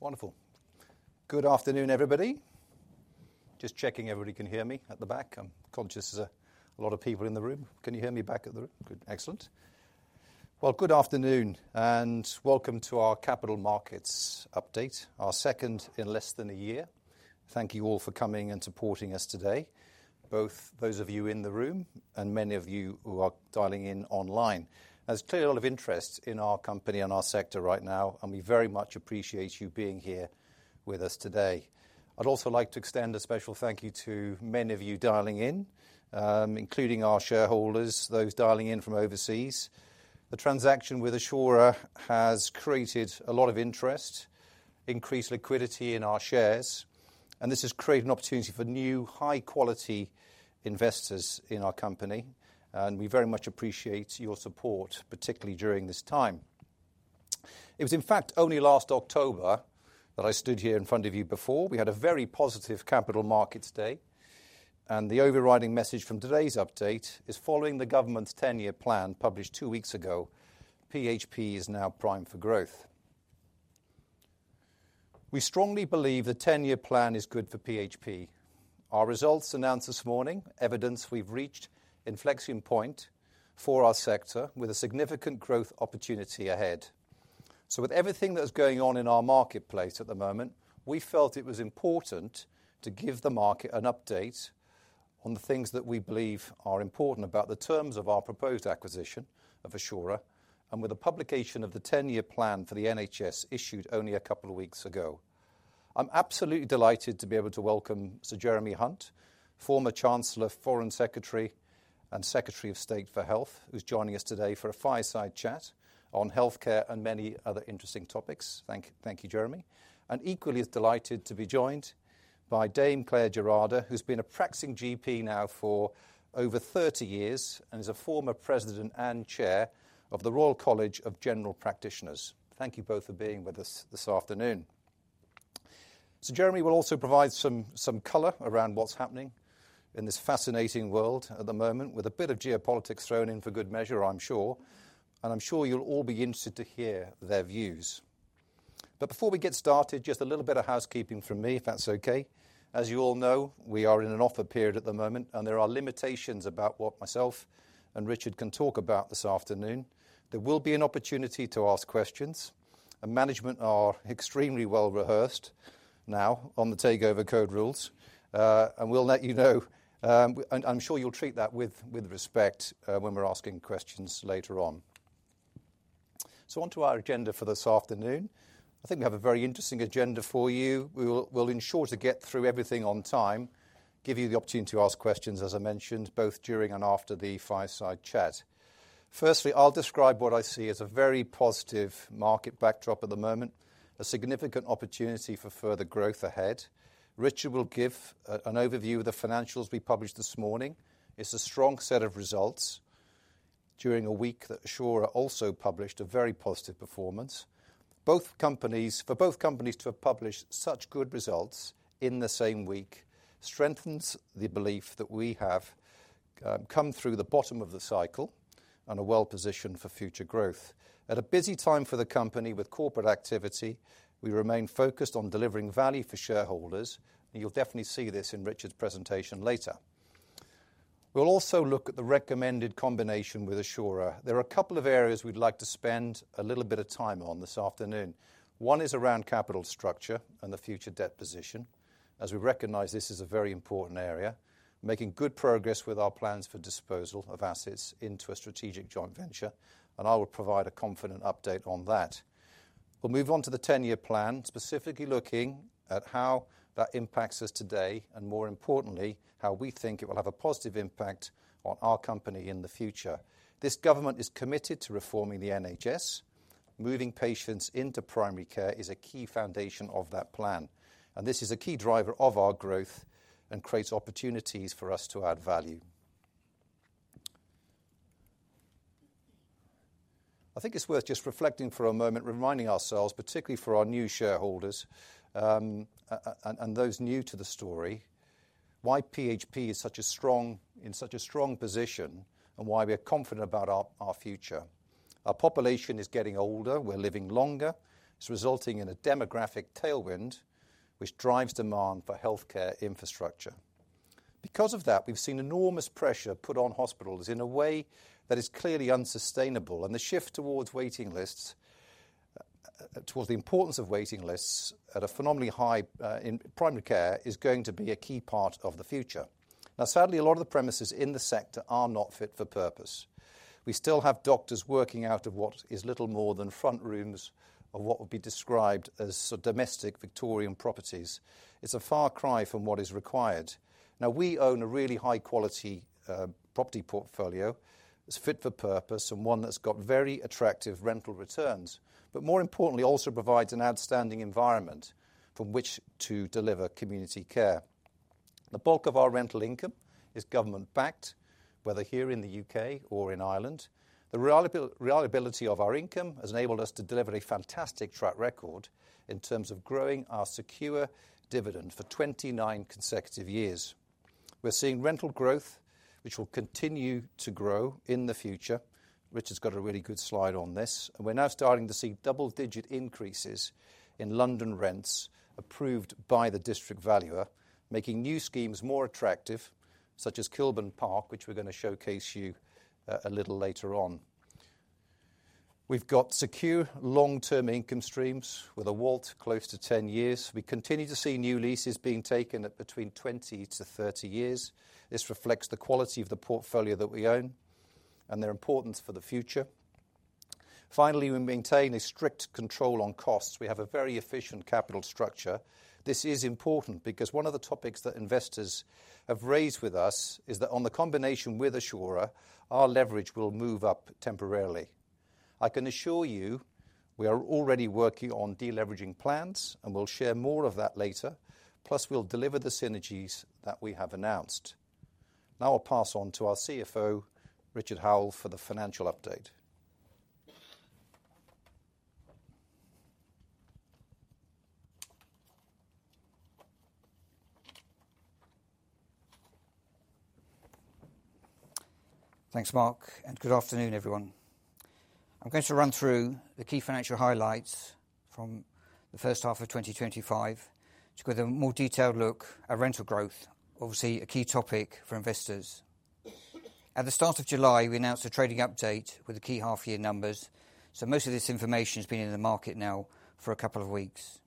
Wonderful. Good afternoon, everybody. Just checking everybody can hear me at the back. I'm conscious there's a lot of people in the room. Can you hear me back at the room? Good. Excellent. Good afternoon and welcome to our Capital Markets update, our second in less than a year. Thank you all for coming and supporting us today, both those of you in the room and many of you who are dialing in online. There's clearly a lot of interest in our company and our sector right now, and we very much appreciate you being here with us today. I'd also like to extend a special thank you to many of you dialing in, including our shareholders, those dialing in from overseas. The transaction with Assura has created a lot of interest, increased liquidity in our shares, and this has created an opportunity for new, high-quality investors in our company. We very much appreciate your support, particularly during this time. It was in fact only last October that I stood here in front of you before. We had a very positive Capital Markets day, and the overriding message from today's update is, following the government's 10-year plan published two weeks ago, PHP is now primed for growth. We strongly believe the 10-year plan is good for PHP. Our results announced this morning evidence we've reached inflection point for our sector with a significant growth opportunity ahead. With everything that's going on in our marketplace at the moment, we felt it was important to give the market an update on the things that we believe are important about the terms of our proposed acquisition of Assura, and with the publication of the 10-year plan for the NHS issued only a couple of weeks ago. I'm absolutely delighted to be able to welcome Sir Jeremy Hunt, former Chancellor, Foreign Secretary and Secretary of State for Health, who's joining us today for a fireside chat on healthcare and many other interesting topics. Thank you, Jeremy. I'm equally delighted to be joined by Dame Claire Gerada, who's been a practicing GP now for over 30 years and is a former President and Chair of the Royal College of General Practitioners. Thank you both for being with us this afternoon. Sir Jeremy will also provide some color around what's happening in this fascinating world at the moment, with a bit of geopolitics thrown in for good measure, I'm sure. I'm sure you'll all be interested to hear their views. Before we get started, just a little bit of housekeeping from me, if that's okay. As you all know, we are in an offer period at the moment, and there are limitations about what myself and Richard can talk about this afternoon. There will be an opportunity to ask questions, and management are extremely well rehearsed now on the takeover code rules. We'll let you know, and I'm sure you'll treat that with respect when we're asking questions later on. Onto our agenda for this afternoon. I think we have a very interesting agenda for you. We'll ensure to get through everything on time, give you the opportunity to ask questions, as I mentioned, both during and after the fireside chat. Firstly, I'll describe what I see as a very positive market backdrop at the moment, a significant opportunity for further growth ahead. Richard will give an overview of the financials we published this morning. It's a strong set of results. During a week that Assura also published a very positive performance. For both companies to have published such good results in the same week strengthens the belief that we have come through the bottom of the cycle and are well positioned for future growth. At a busy time for the company with corporate activity, we remain focused on delivering value for shareholders, and you'll definitely see this in Richard's presentation later. We'll also look at the recommended combination with Assura. There are a couple of areas we'd like to spend a little bit of time on this afternoon. One is around capital structure and the future debt position, as we recognize this is a very important area, making good progress with our plans for disposal of assets into a strategic joint venture, and I will provide a confident update on that. We'll move on to the NHS 10-year plan, specifically looking at how that impacts us today and, more importantly, how we think it will have a positive impact on our company in the future. This government is committed to reforming the NHS. Moving patients into primary care is a key foundation of that plan, and this is a key driver of our growth and creates opportunities for us to add value. I think it's worth just reflecting for a moment, reminding ourselves, particularly for our new shareholders and those new to the story, why PHP is in such a strong position and why we are confident about our future. Our population is getting older. We're living longer. It's resulting in a demographic tailwind which drives demand for healthcare infrastructure. Because of that, we've seen enormous pressure put on hospitals in a way that is clearly unsustainable, and the shift towards waiting lists, towards the importance of waiting lists at a phenomenally high in primary care, is going to be a key part of the future. Now, sadly, a lot of the premises in the sector are not fit for purpose. We still have doctors working out of what is little more than front rooms of what would be described as domestic Victorian properties. It's a far cry from what is required. Now, we own a really high-quality property portfolio that's fit for purpose and one that's got very attractive rental returns, but more importantly, also provides an outstanding environment from which to deliver community care. The bulk of our rental income is government-backed, whether here in the U.K. or in Ireland. The reliability of our income has enabled us to deliver a fantastic track record in terms of growing our secure dividend for 29 consecutive years. We're seeing rental growth, which will continue to grow in the future. Richard's got a really good slide on this. We're now starting to see double-digit increases in London rents approved by the district valuer, making new schemes more attractive, such as Kilburn Park, which we're going to showcase you a little later on. We've got secure long-term income streams with a WALT close to 10 years. We continue to see new leases being taken at between 20-30 years. This reflects the quality of the portfolio that we own and their importance for the future. Finally, we maintain a strict control on costs. We have a very efficient capital structure. This is important because one of the topics that investors have raised with us is that on the combination with Assura, our leverage will move up temporarily. I can assure you we are already working on deleveraging plans, and we'll share more of that later. Plus, we'll deliver the synergies that we have announced. Now I'll pass on to our CFO, Richard Howell, for the financial update. Thanks, Mark, and good afternoon, everyone. I'm going to run through the key financial highlights from the first half of 2025 to give a more detailed look at rental growth, obviously a key topic for investors. At the start of July, we announced a trading update with the key half-year numbers, so most of this information has been in the market now for a couple of weeks.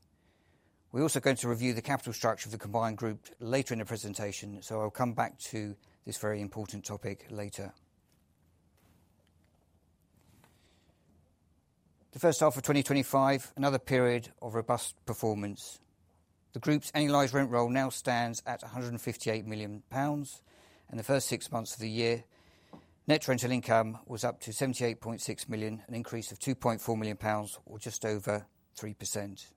We're also going to review the capital structure of the combined group later in the presentation, so I'll come back to this very important topic later. The first half of 2025, another period of robust performance. The group's annualized rent roll now stands at GBP 158 million, and the first six months of the year, net rental income was up to GBP 78.6 million, an increase of GBP 2.4 million, or just over 3%.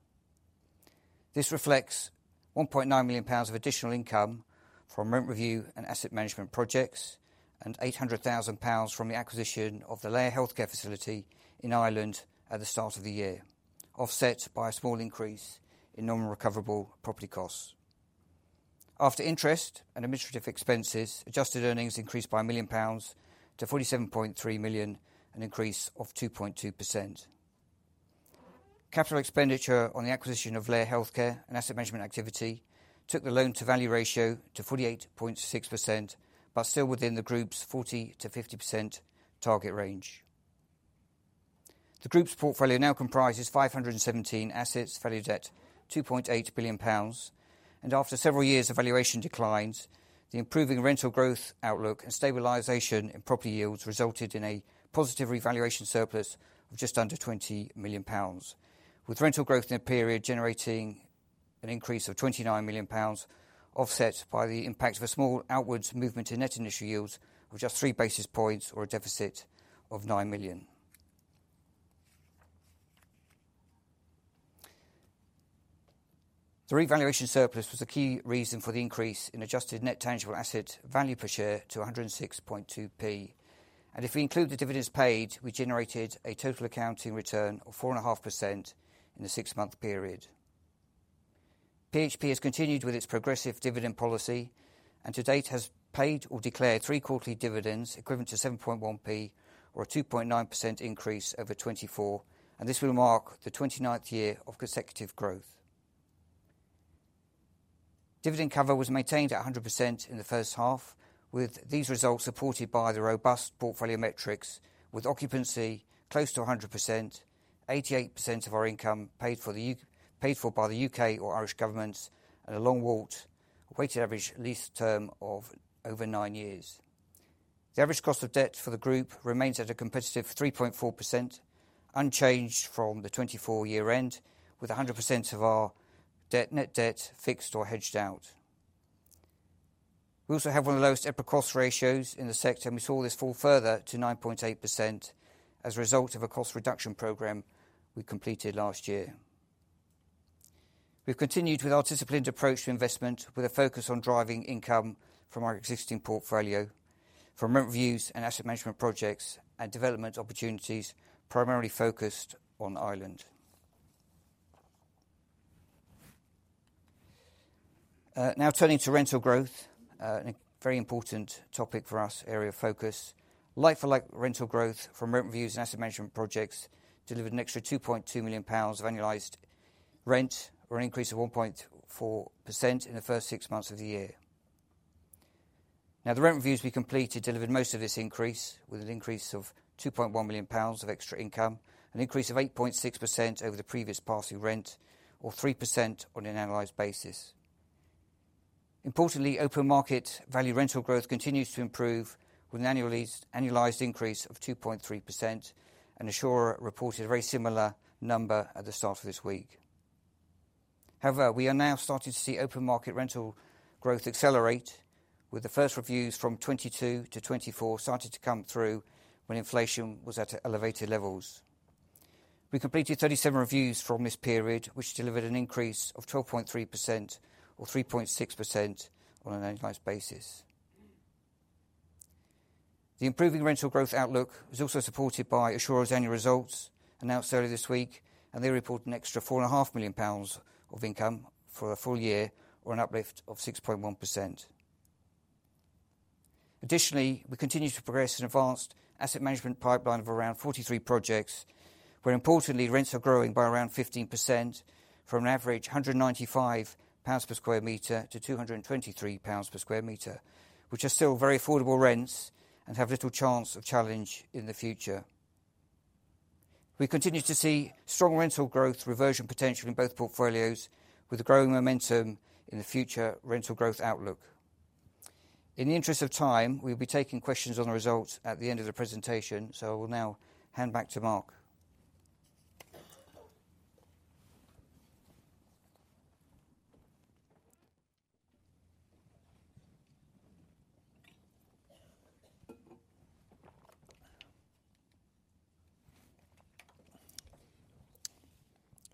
This reflects 1.9 million pounds of additional income from rent reviews and asset management projects and GBP 800,000 from the acquisition of the Laya Healthcare facility in Ireland at the start of the year, offset by a small increase in non-recoverable property costs. After interest and administrative expenses, adjusted earnings increased by 1 million pounds to 47.3 million, an increase of 2.2%. Capital expenditure on acquisition of Laya Healthcare and asset management activity took the loan-to-value ratio to 48.6%, but still within the group's 40%-50% target range. The group's portfolio now comprises 517 assets, valued at 2.8 billion pounds, and after several years of valuation declines, the improving rental growth outlook and stabilization in property yields resulted in a positive revaluation surplus of just under 20 million pounds, with rental growth in a period generating an increase of 29 million pounds, offset by the impact of a small outwards movement in net initial yields of just 3 basis points, or a deficit of 9 million. The revaluation surplus was a key reason for the increase in adjusted net tangible asset value per share to 1.062, and if we include the dividends paid, we generated a total accounting return of 4.5% in the six-month period. PHP has continued with its progressive dividend policy and to date has paid or declared three quarterly dividends equivalent to 0.071, or a 2.9% increase over 2024, and this will mark the 29th year of consecutive growth. Dividend cover was maintained at 100% in the first half, with these results supported by the robust portfolio metrics, with occupancy close to 100%, 88% of our income paid for by the U.K. or Irish governments, and a long WALT weighted average lease term of over nine years. The average cost of debt for the group remains at a competitive 3.4%, unchanged from the 2024 year-end, with 100% of our net debt fixed or hedged out. We also have one of the lowest EBITDA cost ratios in the sector, and we saw this fall further to 9.8% as a result of a cost reduction program we completed last year. We've continued with our disciplined approach to investment, with a focus on driving income from our existing portfolio, from rent reviews and asset management projects and development opportunities, primarily focused on Ireland. Now turning to rental growth, a very important topic for us, area of focus. Like-for-like rental growth from rent reviews and asset management projects delivered an extra 2.2 million pounds of annualized rent, or an increase of 1.4% in the first six months of the year. Now, the rent reviews we completed delivered most of this increase, with an increase of 2.1 million pounds of extra income, an increase of 8.6% over the previous passing rent, or 3% on an annualized basis. Importantly, open market value rental growth continues to improve, with an annualized increase of 2.3%, and Assura reported a very similar number at the start of this week. However, we are now starting to see open market rental growth accelerate, with the first reviews from 2022-2024 starting to come through when inflation was at elevated levels. We completed 37 reviews from this period, which delivered an increase of 12.3% or 3.6% on an annualized basis. The improving rental growth outlook is also supported by Assura's annual results announced earlier this week, and they report an extra 4.5 million pounds of income for the full year, or an uplift of 6.1%. Additionally, we continue to progress an advanced asset management pipeline of around 43 projects, where importantly, rents are growing by around 15% from an average 195 pounds per square meter to 223 pounds per square meter, which are still very affordable rents and have little chance of challenge in the future. We continue to see strong rental growth reversion potential in both portfolios, with a growing momentum in the future rental growth outlook. In the interest of time, we'll be taking questions on the results at the end of the presentation, so I will now hand back to Mark.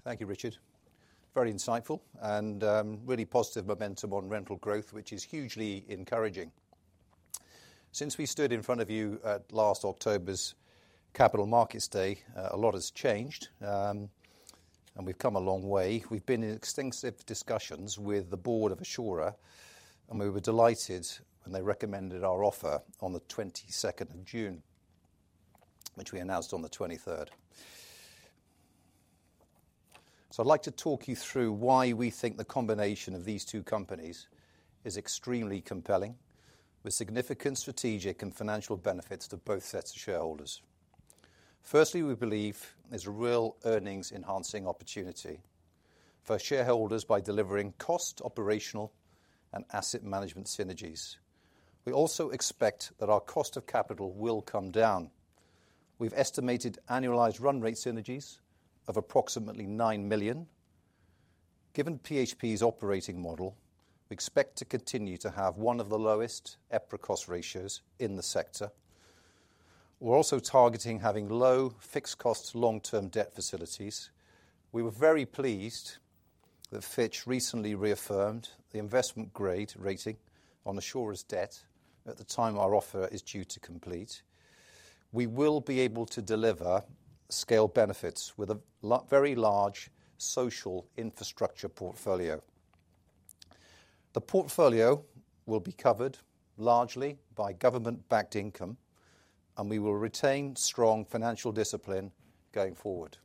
Thank you, Richard. Very insightful and really positive momentum on rental growth, which is hugely encouraging. Since we stood in front of you at last October's Capital Markets Day, a lot has changed, and we've come a long way. We've been in extensive discussions with the board of Assura, and we were delighted when they recommended our offer on June 22, which we announced on June 23. I'd like to talk you through why we think the combination of these two companies is extremely compelling, with significant strategic and financial benefits to both sets of shareholders. Firstly, we believe there's a real earnings-enhancing opportunity for shareholders by delivering cost, operational, and asset management synergies. We also expect that our cost of capital will come down. We've estimated annualized run rate synergies of approximately 9 million. Given PHP's operating model, we expect to continue to have one of the lowest EBITDA cost ratios in the sector. We're also targeting having low fixed costs long-term debt facilities. We were very pleased that Fitch recently reaffirmed the investment grade rating on Assura's debt at the time our offer is due to complete. We will be able to deliver scale benefits with a very large social infrastructure portfolio. The portfolio will be covered largely by government-backed income, and we will retain strong financial discipline going forward.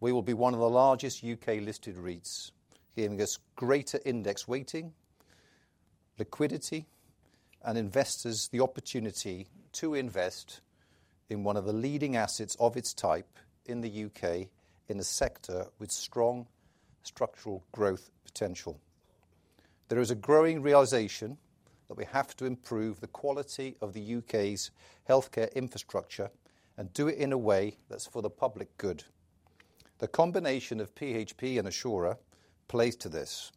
We will be one of the largest U.K. listed REITs, giving us greater index weighting, liquidity, and investors the opportunity to invest in one of the leading assets of its type in the U.K. in a sector with strong structural growth potential. There is a growing realization that we have to improve the quality of the U.K.'s healthcare infrastructure and do it in a way that's for the public good. The combination of PHP and Assura plays to this.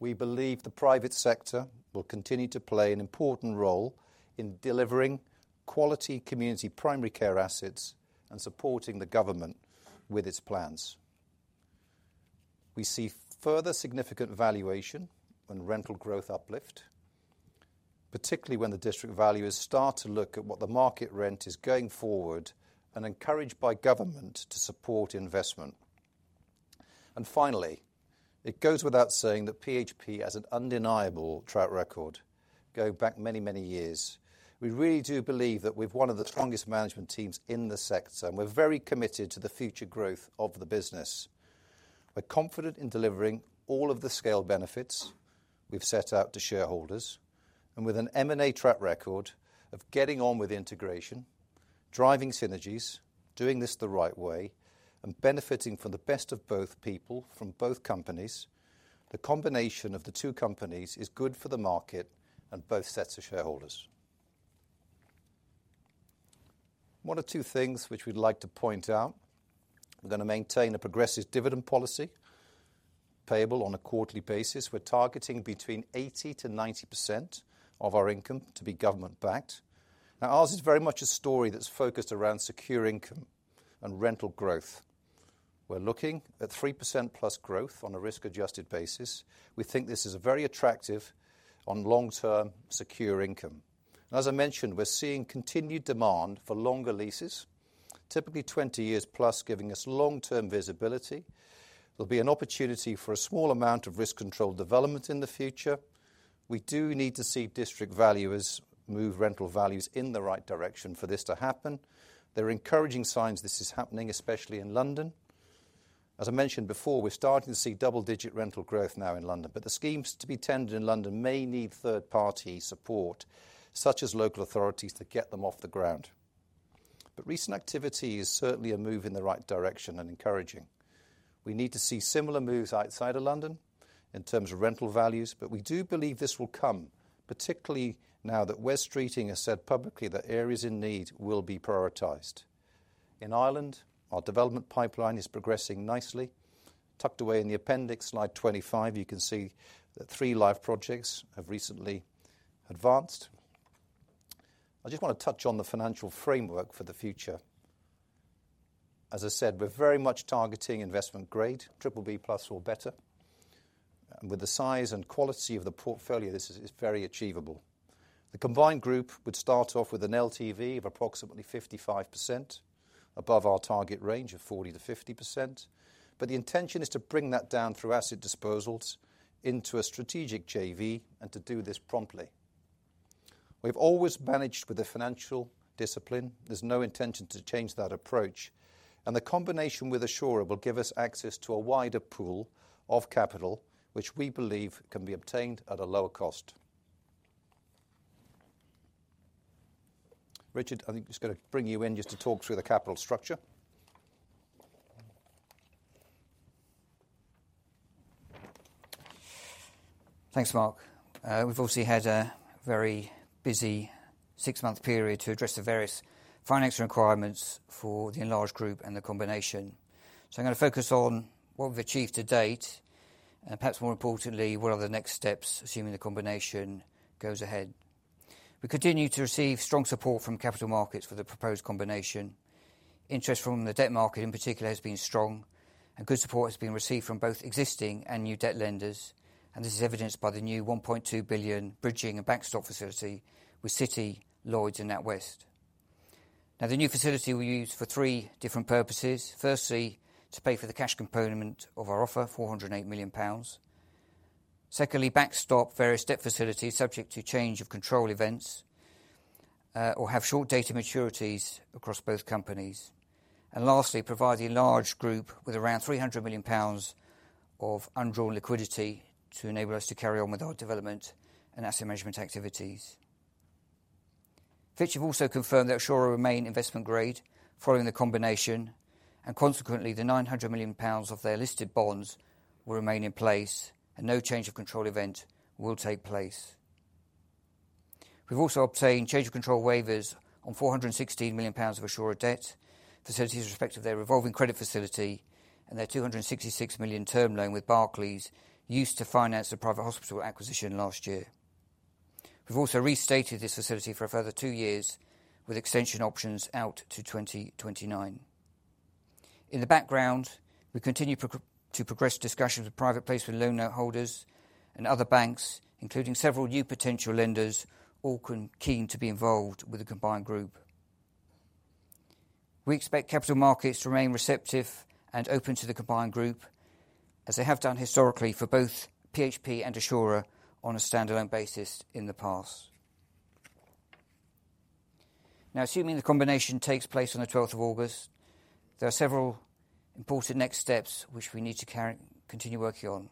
We believe the private sector will continue to play an important role in delivering quality community primary care assets and supporting the government with its plans. We see further significant valuation and rental growth uplift, particularly when the district valuers start to look at what the market rent is going forward and encouraged by government to support investment. Finally, it goes without saying that PHP has an undeniable track record going back many, many years. We really do believe that we've one of the strongest management teams in the sector, and we're very committed to the future growth of the business. We're confident in delivering all of the scale benefits we've set out to shareholders, and with an M&A track record of getting on with integration, driving synergies, doing this the right way, and benefiting from the best of both people from both companies, the combination of the two companies is good for the market and both sets of shareholders. One or two things which we'd like to point out. We're going to maintain a progressive dividend policy payable on a quarterly basis. We're targeting between 80%-90% of our income to be government-backed. Now, ours is very much a story that's focused around secure income and rental growth. We're looking at 3%+ growth on a risk-adjusted basis. We think this is very attractive on long-term secure income. As I mentioned, we're seeing continued demand for longer leases, typically 20+ years, giving us long-term visibility. There'll be an opportunity for a small amount of risk-controlled development in the future. We do need to see district valuers move rental values in the right direction for this to happen. There are encouraging signs this is happening, especially in London. As I mentioned before, we're starting to see double-digit rental growth now in London, but the schemes to be tendered in London may need third-party support, such as local authorities, to get them off the ground. Recent activity is certainly a move in the right direction and encouraging. We need to see similar moves outside of London in terms of rental values, but we do believe this will come, particularly now that Wes Streeting has said publicly that areas in need will be prioritized. In Ireland, our development pipeline is progressing nicely. Tucked away in the appendix, slide 25, you can see that three live projects have recently advanced. I just want to touch on the financial framework for the future. As I said, we're very much targeting investment grade, BBB+ or better. With the size and quality of the portfolio, this is very achievable. The combined group would start off with an LTV of approximately 55%, above our target range of 40%-50%, but the intention is to bring that down through asset disposals into a strategic JV and to do this promptly. We've always managed with a financial discipline. There's no intention to change that approach, and the combination with Assura will give us access to a wider pool of capital, which we believe can be obtained at a lower cost. Richard, I'm just going to bring you in just to talk through the capital structure. Thanks, Mark. We've obviously had a very busy six-month period to address the various financial requirements for the enlarged group and the combination. I'm going to focus on what we've achieved to date and perhaps more importantly, what are the next steps, assuming the combination goes ahead. We continue to receive strong support from Capital Markets for the proposed combination. Interest from the debt market in particular has been strong, and good support has been received from both existing and new debt lenders. This is evidenced by the new 1.2 billion bridging and backstop facility with City Lloyds in Out West. The new facility will be used for three different purposes. Firstly, to pay for the cash component of our offer, 408 million pounds. Secondly, backstop various debt facilities subject to change of control events or have short date maturities across both companies. Lastly, provide the enlarged group with around 300 million pounds of undrawn liquidity to enable us to carry on with our development and asset management activities. Fitch have also confirmed that Assura will remain investment grade following the combination, and consequently, the 900 million pounds of their listed bonds will remain in place, and no change of control event will take place. We've also obtained change of control waivers on 416 million pounds of Assura debt, facilities respective to their revolving credit facility and their 266 million term loan with Barclays, used to finance a private hospital acquisition last year. We've also restated this facility for a further two years, with extension options out to 2029. In the background, we continue to progress discussions of private placement loan holders and other banks, including several new potential lenders, all keen to be involved with the combined group. We expect Capital Markets to remain receptive and open to the combined group, as they have done historically for both PHP and Assura on a standalone basis in the past. Assuming the combination takes place on the 12th of August, there are several important next steps which we need to continue working on.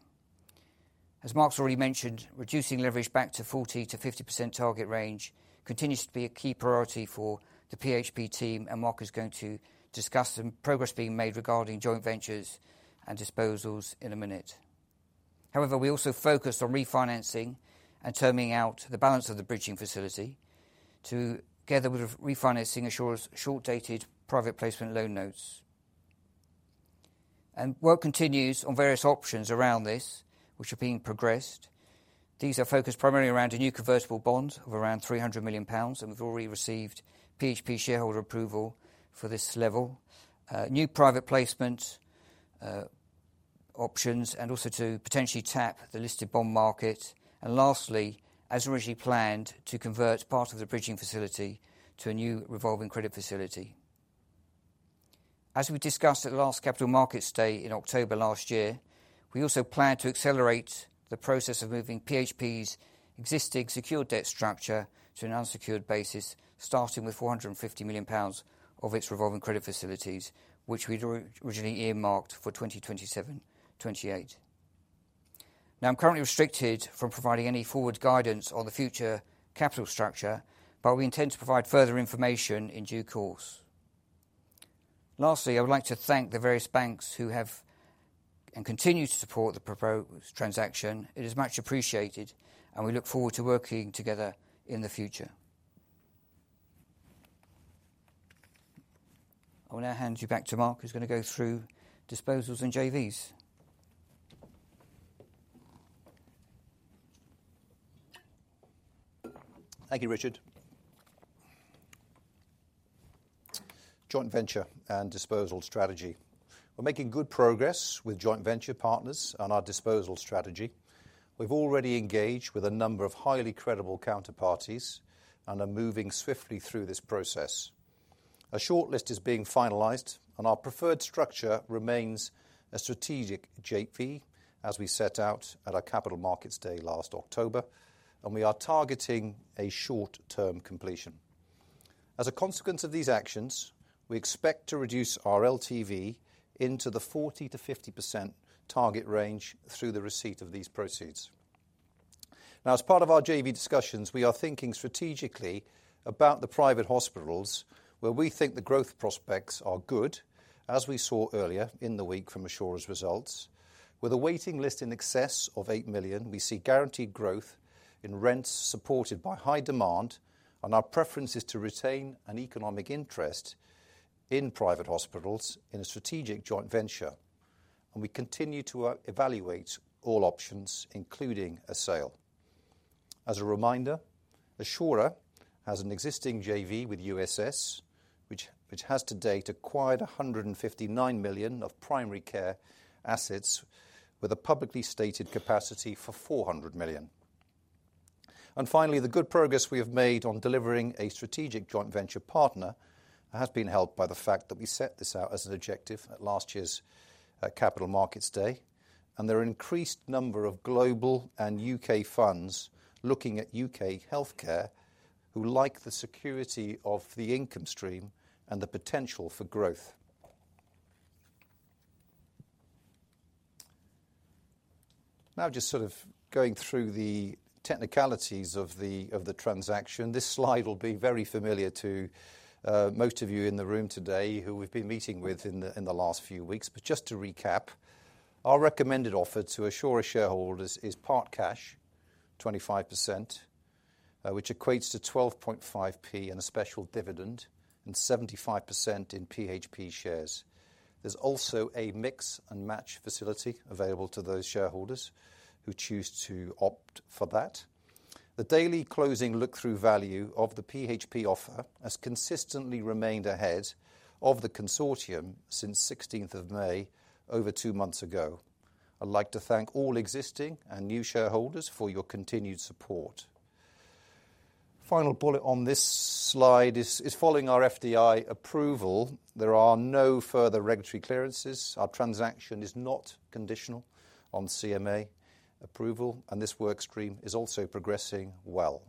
As Mark's already mentioned, reducing leverage back to 40%-50% target range continues to be a key priority for the PHP team, and Mark is going to discuss some progress being made regarding joint ventures and disposals in a minute. However, we also focused on refinancing and terming out the balance of the bridging facility together with refinancing Assura's short-dated private placement loan notes. Work continues on various options around this, which are being progressed. These are focused primarily around a new convertible bond of around 300 million pounds, we've already received PHP shareholder approval for this level, new private placement options, and also to potentially tap the listed bond market. Lastly, as originally planned, to convert part of the bridging facility to a new revolving credit facility. As we discussed at the last Capital Markets Day in October last year, we also plan to accelerate the process of moving PHP's existing secured debt structure to an unsecured basis, starting with 450 million pounds of its revolving credit facilities, which we'd originally earmarked for 2027-2028. I'm currently restricted from providing any forward guidance on the future capital structure, but we intend to provide further information in due course. Lastly, I would like to thank the various banks who have and continue to support the proposed transaction. It is much appreciated, and we look forward to working together in the future. I will now hand you back to Mark, who's going to go through disposals and JVs. Thank you, Richard. Joint venture and disposal strategy. We're making good progress with joint venture partners on our disposal strategy. We've already engaged with a number of highly credible counterparties and are moving swiftly through this process. A shortlist is being finalized, and our preferred structure remains a strategic JV, as we set out at our Capital Markets Day last October, and we are targeting a short-term completion. As a consequence of these actions, we expect to reduce our LTV into the 40%-50% target range through the receipt of these proceeds. Now, as part of our JV discussions, we are thinking strategically about the private hospitals, where we think the growth prospects are good, as we saw earlier in the week from Assura's results. With a waiting list in excess of 8 million, we see guaranteed growth in rents supported by high demand, and our preference is to retain an economic interest in private hospitals in a strategic joint venture. We continue to evaluate all options, including a sale. As a reminder, Assura has an existing JV with USS, which has to date acquired 159 million of primary care assets with a publicly stated capacity for 400 million. Finally, the good progress we have made on delivering a strategic joint venture partner has been helped by the fact that we set this out as an objective at last year's Capital Markets Day, and there are an increased number of global and U.K. funds looking at U.K. healthcare, who like the security of the income stream and the potential for growth. Now, just sort of going through the technicalities of the transaction, this slide will be very familiar to most of you in the room today who we've been meeting with in the last few weeks. Just to recap, our recommended offer to Assura shareholders is part cash, 25%, which equates to 0.125 and a special dividend, and 75% in PHP shares. There's also a mix and match facility available to those shareholders who choose to opt for that. The daily closing look-through value of the PHP offer has consistently remained ahead of the consortium since 16th of May, over two months ago. I'd like to thank all existing and new shareholders for your continued support. Final bullet on this slide is following our FDI approval. There are no further regulatory clearances. Our transaction is not conditional on CMA approval, and this work stream is also progressing well.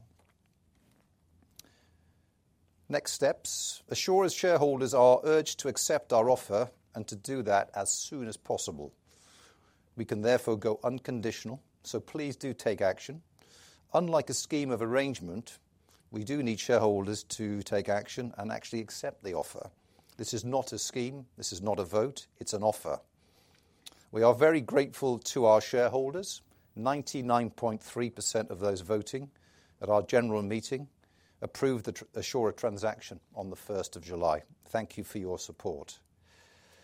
Next steps, Assura's shareholders are urged to accept our offer and to do that as soon as possible. We can therefore go unconditional, so please do take action. Unlike a scheme of arrangement, we do need shareholders to take action and actually accept the offer. This is not a scheme. This is not a vote. It's an offer. We are very grateful to our shareholders. 99.3% of those voting at our general meeting approved the Assura transaction on July 1. Thank you for your support.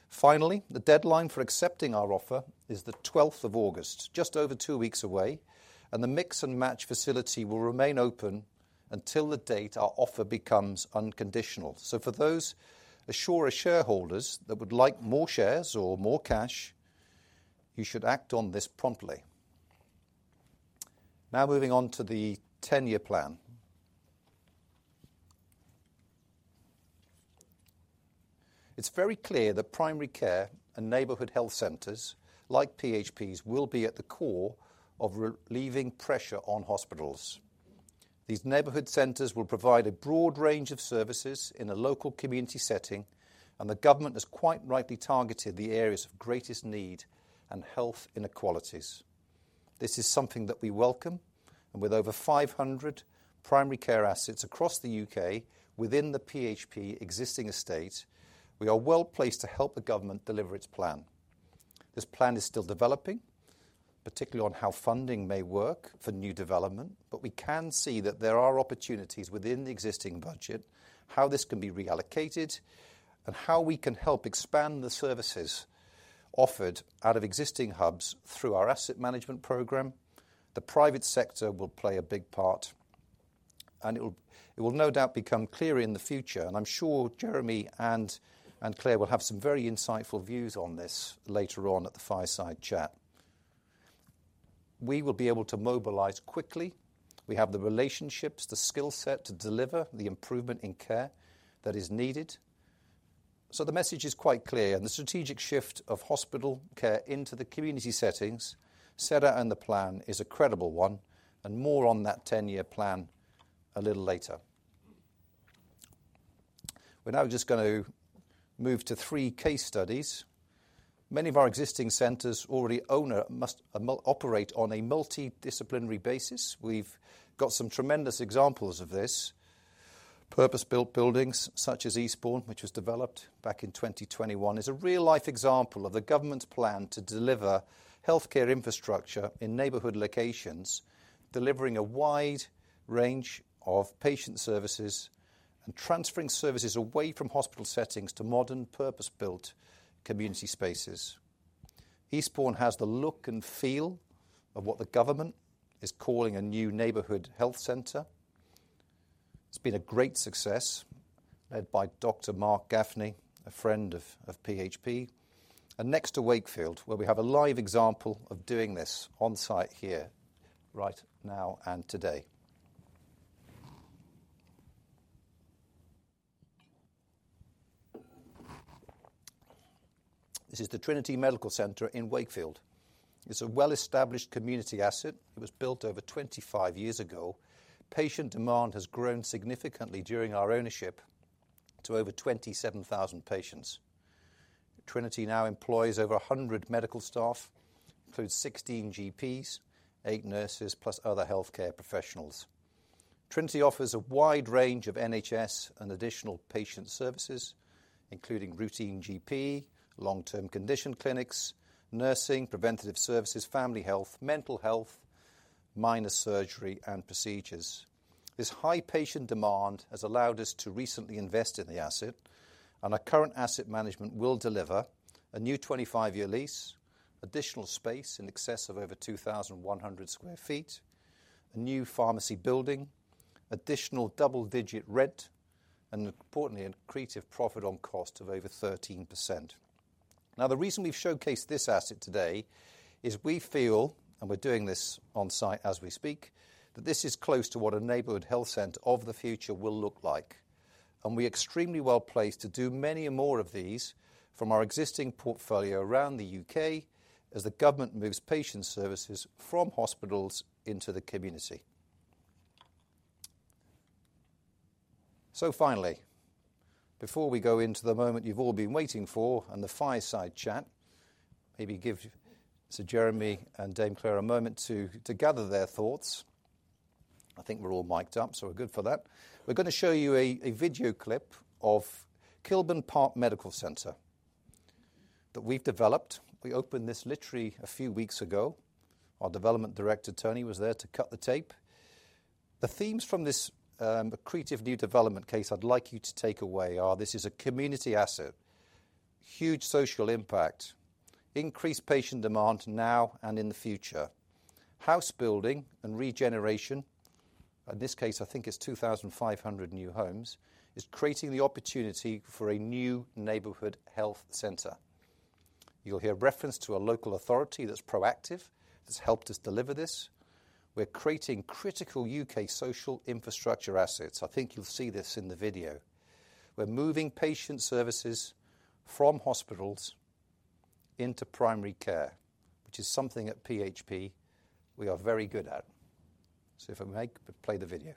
Finally, the deadline for accepting our offer is August 12, just over two weeks away, and the mix and match facility will remain open until the date our offer becomes unconditional. For those Assura shareholders that would like more shares or more cash, you should act on this promptly. Now, moving on to the 10-year plan. It's very clear that primary care and neighborhood health centers, like PHP's, will be at the core of relieving pressure on hospitals. These neighborhood centers will provide a broad range of services in a local community setting, and the government has quite rightly targeted the areas of greatest need and health inequalities. This is something that we welcome, and with over 500 primary care assets across the U.K. within the PHP existing estate, we are well placed to help the government deliver its plan. This plan is still developing, particularly on how funding may work for new development, but we can see that there are opportunities within the existing budget, how this can be reallocated, and how we can help expand the services offered out of existing hubs through our asset management program. The private sector will play a big part, and it will no doubt become clearer in the future. I'm sure Jeremy and Claire will have some very insightful views on this later on at the fireside chat. We will be able to mobilize quickly. We have the relationships, the skill set to deliver the improvement in care that is needed. The message is quite clear, and the strategic shift of hospital care into the community settings, SEDAR, and the plan is a credible one, and more on that 10-year plan a little later. We're now just going to move to three case studies. Many of our existing centers already operate on a multidisciplinary basis. We've got some tremendous examples of this. Purpose-built buildings such as Eastbourne, which was developed back in 2021, is a real-life example of the government's plan to deliver healthcare infrastructure in neighborhood locations, delivering a wide range of patient services and transferring services away from hospital settings to modern purpose-built community spaces. Eastbourne has the look and feel of what the government is calling a new neighborhood health center. It's been a great success, led by Dr. Mark Gaffney, a friend of PHP. Next to Wakefield, where we have a live example of doing this on site here right now and today, this is the Trinity Medical Center in Wakefield. It's a well-established community asset. It was built over 25 years ago. Patient demand has grown significantly during our ownership to over 27,000 patients. Trinity now employs over 100 medical staff, includes 16 GPs, eight nurses, plus other healthcare professionals. Trinity offers a wide range of NHS and additional patient services, including routine GP, long-term condition clinics, nursing, preventative services, family health, mental health, minor surgery, and procedures. This high patient demand has allowed us to recently invest in the asset, and our current asset management will deliver a new 25-year lease, additional space in excess of over 2,100 sq ft, a new pharmacy building, additional double-digit rent, and importantly, a creative profit on cost of over 13%. The reason we've showcased this asset today is we feel, and we're doing this on site as we speak, that this is close to what a neighborhood health center of the future will look like. We're extremely well placed to do many more of these from our existing portfolio around the U.K. as the government moves patient services from hospitals into the community. Finally, before we go into the moment you've all been waiting for and the fireside chat, maybe give Sir Jeremy and Dame Claire a moment to gather their thoughts. I think we're all mic'd up, so we're good for that. We're going to show you a video clip of Kilburn Park Medical Center that we've developed. We opened this literally a few weeks ago. Our Development Director, Tony, was there to cut the tape. The themes from this creative new development case I'd like you to take away are this is a community asset, huge social impact, increased patient demand now and in the future. House building and regeneration, in this case, I think it's 2,500 new homes, is creating the opportunity for a new neighborhood health center. You'll hear reference to a local authority that's proactive, that's helped us deliver this. We're creating critical U.K. social infrastructure assets. I think you'll see this in the video. We're moving patient services from hospitals into primary care, which is something at PHP we are very good at. If I may play the video.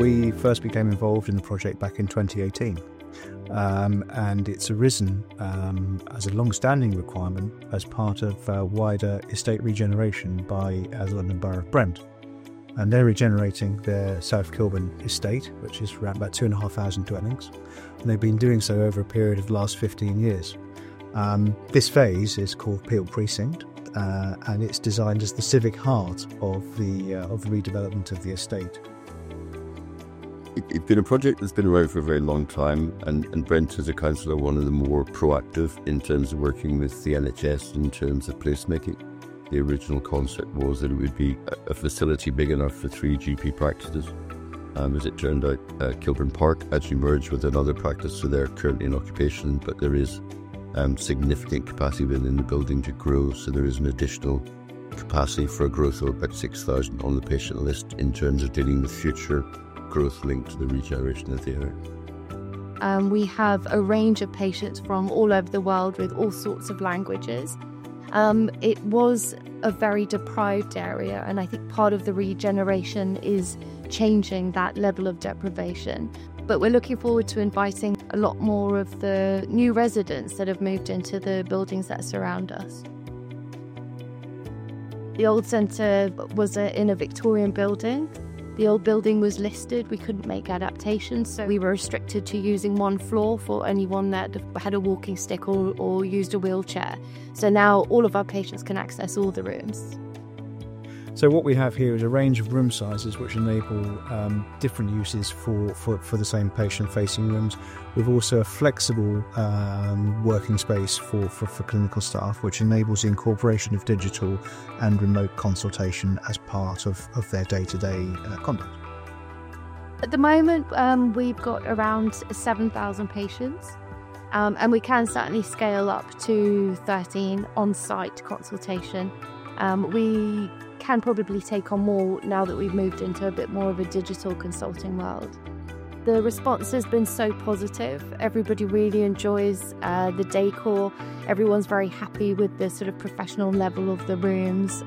We first became involved in the project back in 2018, and it's arisen as a longstanding requirement as part of a wider estate regeneration by Asland and Baruch Brent. They're regenerating their South Kilburn estate, which is about 2,500 dwellings. They've been doing so over a period of the last 15 years. This phase is called Peel Precinct, and it's designed as the civic heart of the redevelopment of the estate. It's been a project that's been around for a very long time, and Brent is, as a Councillor, one of the more proactive in terms of working with the NHS in terms of placement. The original concept was that it would be a facility big enough for three GP practices. As it turned out, Kilburn Park actually merged with another practice, so they're currently in occupation, but there is significant capacity within the building to grow. There is an additional capacity for a growth of about 6,000 on the patient list in terms of dealing with future growth linked to the regeneration of the area. We have a range of patients from all over the world with all sorts of languages. It was a very deprived area, and I think part of the regeneration is changing that level of deprivation. We are looking forward to inviting a lot more of the new residents that have moved into the buildings that surround us. The old center was in a Victorian building. The old building was listed, and we couldn't make adaptations, so we were restricted to using one floor for anyone that had a walking stick or used a wheelchair. Now all of our patients can access all the rooms. We have here a range of room sizes which enable different uses for the same patient-facing rooms. We've also a flexible working space for clinical staff, which enables the incorporation of digital and remote consultation as part of their day-to-day conduct. At the moment, we've got around 7,000 patients, and we can certainly scale up to 13 on-site consultation. We can probably take on more now that we've moved into a bit more of a digital consulting world. The response has been so positive. Everybody really enjoys the decor. Everyone's very happy with the sort of professional level of the rooms.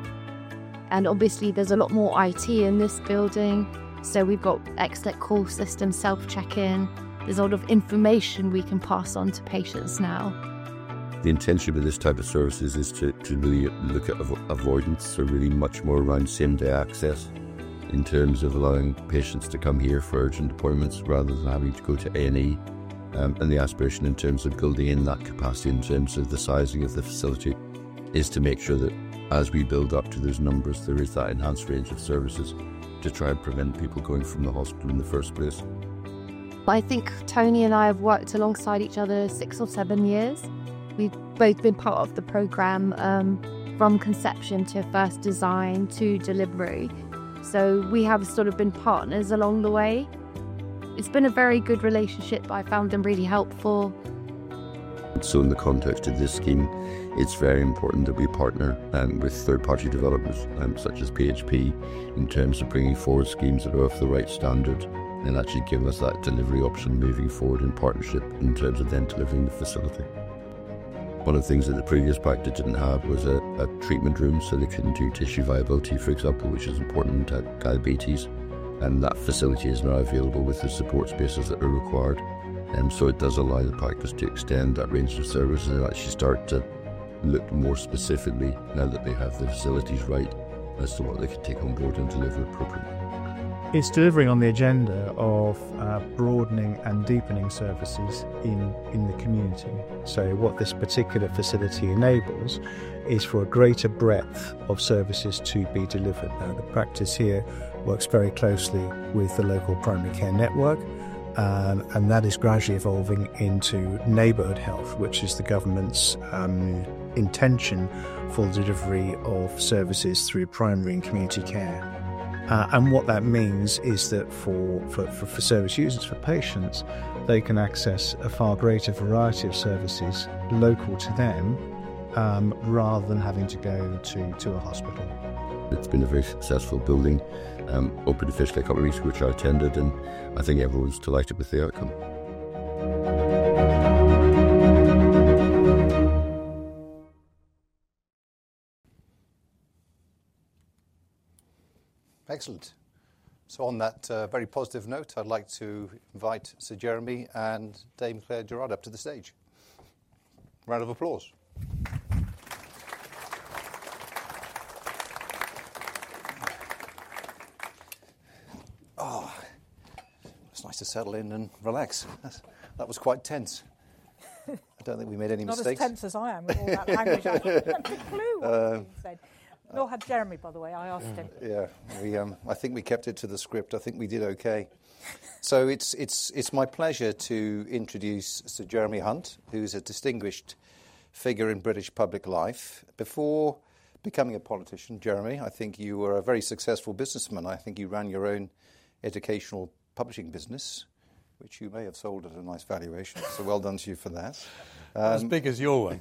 Obviously, there's a lot more IT in this building, so we've got excellent call systems, self-check-in. There's a lot of information we can pass on to patients now. The intention of this type of services is to really look at avoidance, so really much more around same-day access in terms of allowing patients to come here for urgent appointments rather than having to go to A&E. The aspiration in terms of building in that capacity in terms of the sizing of the facility is to make sure that as we build up to those numbers, there is that enhanced range of services to try and prevent people going from the hospital in the first place. I think Tony and I have worked alongside each other six or seven years. We've both been part of the program from conception to first design to delivery. We have sort of been partners along the way. It's been a very good relationship. I found them really helpful. In the context of this scheme, it's very important that we partner with third-party developers such as PHP in terms of bringing forward schemes that are of the right standard and actually give us that delivery option moving forward in partnership in terms of then delivering the facility. One of the things that the previous practice didn't have was a treatment room, so they couldn't do tissue viability, for example, which is important to diabetes. That facility is now available with the support spaces that are required. It does allow the practice to extend that range of services and actually start to look more specifically now that they have the facilities right as to what they can take on board and deliver properly. It's delivering on the agenda of broadening and deepening services in the community. What this particular facility enables is for a greater breadth of services to be delivered. The practice here works very closely with the local primary care network, and that is gradually evolving into neighborhood health, which is the government's intention for the delivery of services through primary and community care. What that means is that for service users, for patients, they can access a far greater variety of services local to them rather than having to go to a hospital. It's been a very successful building, open to first-rate companies, which are tenanted, and I think everyone's delighted with the outcome. Excellent. On that very positive note, I'd like to invite Sir Jeremy and Dame Claire Gerada up to the stage. Round of applause. Oh, it's nice to settle in and relax. That was quite tense. I don't think we made any mistakes. As tense as I am, all that language, I don't have a clue what he said. Nor had Jeremy, by the way. I asked him. Yeah, I think we kept it to the script. I think we did okay. It's my pleasure to introduce Sir Jeremy Hunt, who's a distinguished figure in British public life. Before becoming a politician, Jeremy, I think you were a very successful businessman. I think you ran your own educational publishing business, which you may have sold at a nice valuation. Well done to you for that. As big as your way.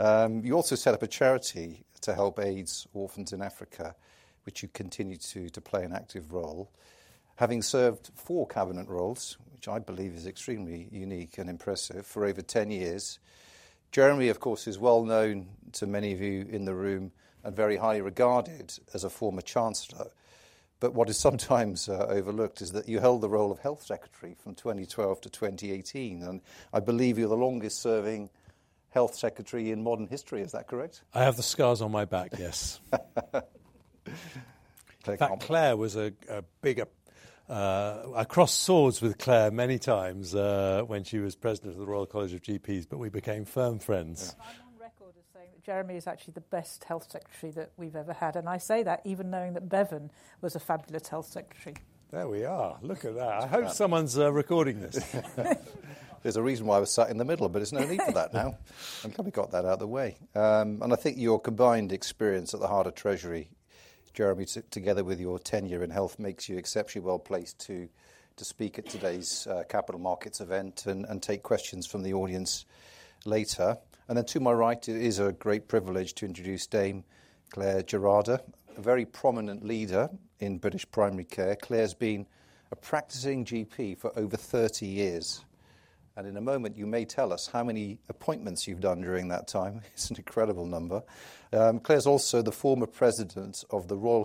You also set up a charity to help AIDS orphans in Africa, which you continue to play an active role. Having served four Cabinet roles, which I believe is extremely unique and impressive for over 10 years, Jeremy, of course, is well known to many of you in the room and very highly regarded as a former Chancellor. What is sometimes overlooked is that you held the role of Health Secretary from 2012-2018. I believe you're the longest serving Health Secretary in modern history. Is that correct? I have the scars on my back, yes. Claire was a big... I crossed swords with Claire many times when she was President of the Royal College of GPs, but we became firm friends. My long record is saying that Jeremy is actually the best Health Secretary that we've ever had. I say that even knowing that Bevan was a fabulous Health Secretary. There we are. Look at that. I hope someone's recording this. There's a reason why we're sat in the middle, but isn't there a need for that now? I'm glad we got that out of the way. I think your combined experience at the Heart of Treasury, Jeremy, together with your tenure in health, makes you exceptionally well placed to speak at today's Capital Markets event and take questions from the audience later. To my right, it is a great privilege to introduce Dame Claire Gerada, a very prominent leader in British primary care. Claire's been a practicing GP for over 30 years. In a moment, you may tell us how many appointments you've done during that time. It's an incredible number. Claire's also the former President and Chair of the Royal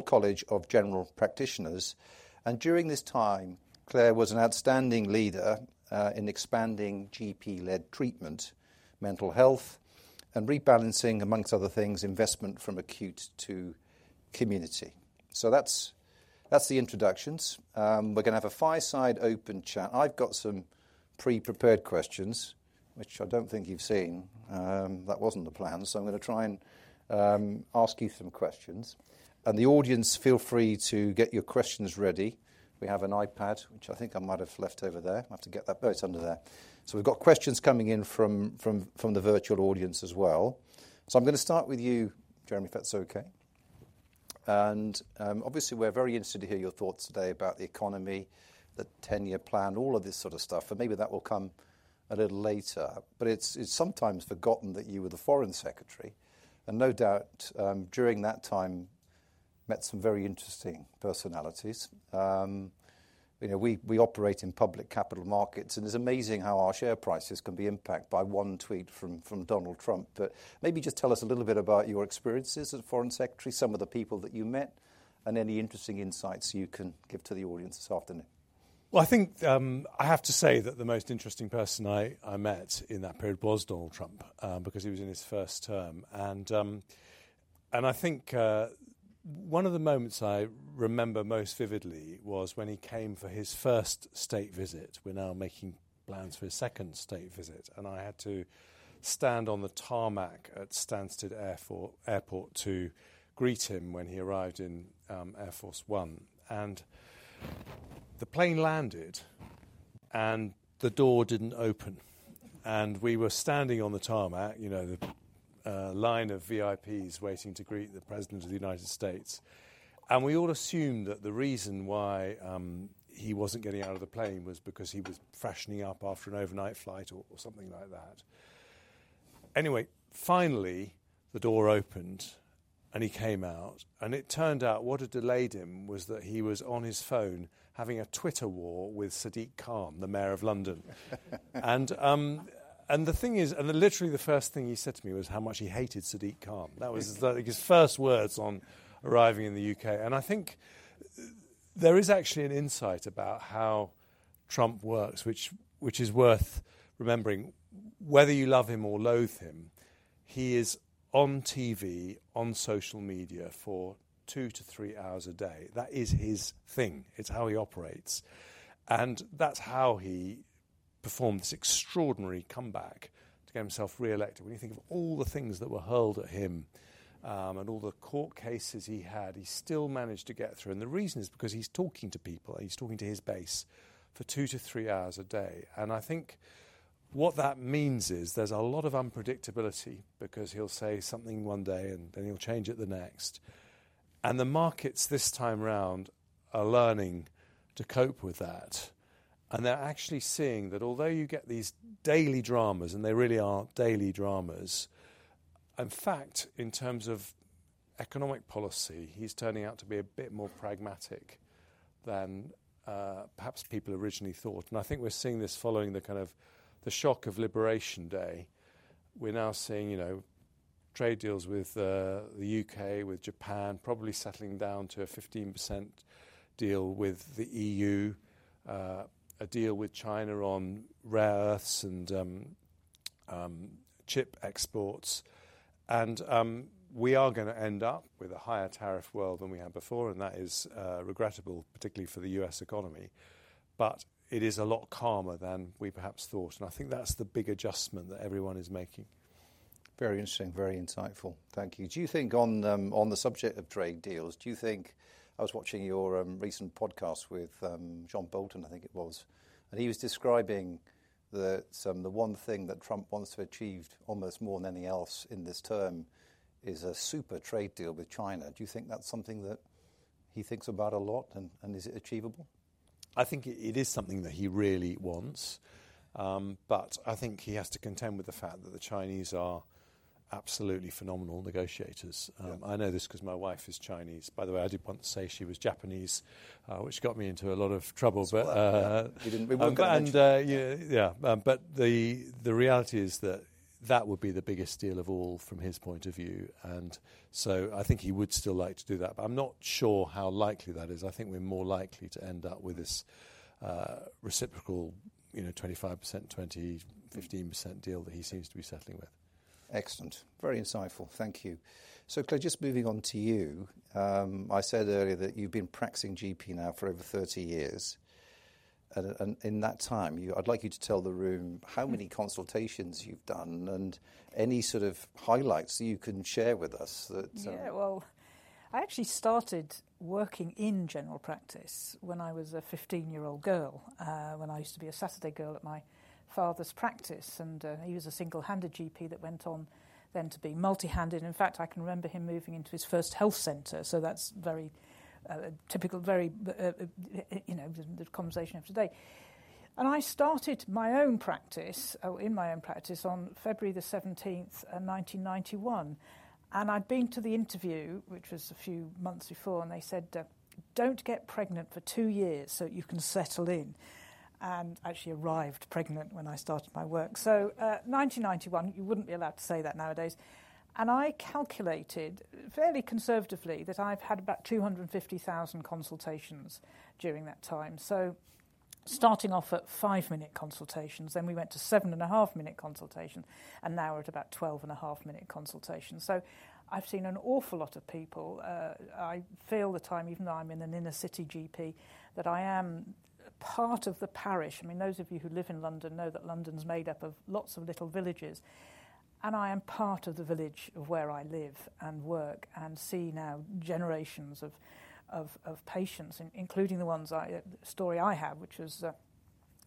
College of General Practitioners. During this time, Claire was an outstanding leader in expanding GP-led treatment, mental health, and rebalancing, amongst other things, investment from acute to community. That's the introductions. We're going to have a fireside open chat. I've got some pre-prepared questions, which I don't think you've seen. That wasn't the plan. I'm going to try and ask you some questions. The audience, feel free to get your questions ready. We have an iPad, which I think I might have left over there. I have to get that. No, it's under there. We've got questions coming in from the virtual audience as well. I'm going to start with you, Jeremy, if that's okay. Obviously, we're very interested to hear your thoughts today about the economy, the 10-year plan, all of this sort of stuff. Maybe that will come a little later. It's sometimes forgotten that you were the Foreign Secretary. No doubt, during that time, you met some very interesting personalities. You know, we operate in public capital markets, and it's amazing how our share prices can be impacted by one tweet from Donald Trump. Maybe just tell us a little bit about your experiences as Foreign Secretary, some of the people that you met, and any interesting insights you can give to the audience this afternoon. I think I have to say that the most interesting person I met in that period was Donald Trump because he was in his first term. One of the moments I remember most vividly was when he came for his first state visit. We're now making plans for his second state visit. I had to stand on the tarmac at Stansted Airport to greet him when he arrived in Air Force One. The plane landed, and the door didn't open. We were standing on the tarmac, the line of VIPs waiting to greet the President of the United States. We all assumed that the reason why he wasn't getting out of the plane was because he was freshening up after an overnight flight or something like that. Finally, the door opened, and he came out. It turned out what had delayed him was that he was on his phone having a Twitter war with Sadiq Khan, the Mayor of London. Literally the first thing he said to me was how much he hated Sadiq Khan. That was his first words on arriving in the U.K.. I think there is actually an insight about how Trump works, which is worth remembering. Whether you love him or loathe him, he is on TV, on social media for two to three hours a day. That is his thing. It's how he operates. That's how he performed this extraordinary comeback to get himself reelected. When you think of all the things that were hurled at him and all the court cases he had, he still managed to get through. The reason is because he's talking to people. He's talking to his base for two to three hours a day. I think what that means is there's a lot of unpredictability because he'll say something one day, and then he'll change it the next. The markets this time around are learning to cope with that. They're actually seeing that although you get these daily dramas, and they really are daily dramas, in fact, in terms of economic policy, he's turning out to be a bit more pragmatic than perhaps people originally thought. I think we're seeing this following the kind of the shock of Liberation Day. We're now seeing trade deals with the U.K., with Japan, probably settling down to a 15% deal with the EU, a deal with China on rare earths and chip exports. We are going to end up with a higher tariff world than we had before, and that is regrettable, particularly for the U.S. economy. It is a lot calmer than we perhaps thought. I think that's the big adjustment that everyone is making. Very interesting, very insightful. Thank you. Do you think on the subject of trade deals, do you think I was watching your recent podcast with John Bolton, I think it was, and he was describing that the one thing that Trump wants to achieve almost more than any else in this term is a super trade deal with China. Do you think that's something that he thinks about a lot and is it achievable? I think it is something that he really wants, but I think he has to contend with the fact that the Chinese are absolutely phenomenal negotiators. I know this because my wife is Chinese. By the way, I did want to say she was Japanese, which got me into a lot of troubles. We didn't remember that. Yeah, the reality is that would be the biggest deal of all from his point of view. I think he would still like to do that, but I'm not sure how likely that is. I think we're more likely to end up with this reciprocal, you know, 25%, 20%, 15% deal that he seems to be settling with. Excellent. Very insightful. Thank you. Claire, just moving on to you, I said earlier that you've been practicing GP now for over 30 years. In that time, I'd like you to tell the room how many consultations you've done and any sort of highlights you can share with us. I actually started working in general practice when I was a 15-year-old girl, when I used to be a Saturday girl at my father's practice. He was a single-handed GP that went on then to be multi-handed. I can remember him moving into his first health center. That's very typical, very, you know, the conversation of today. I started my own practice, in my own practice, on February 17, 1991. I'd been to the interview, which was a few months before, and they said, "Don't get pregnant for two years so that you can settle in." I actually arrived pregnant when I started my work. In 1991, you wouldn't be allowed to say that nowadays. I calculated fairly conservatively that I've had about 250,000 consultations during that time. Starting off at five-minute consultations, then we went to seven and a half-minute consultations, and now we're at about 12.5-minute consultations. I've seen an awful lot of people. I feel the time, even though I'm in an inner-city GP, that I am part of the parish. Those of you who live in London know that London's made up of lots of little villages. I am part of the village of where I live and work and see now generations of patients, including the ones I had, the story I have, which was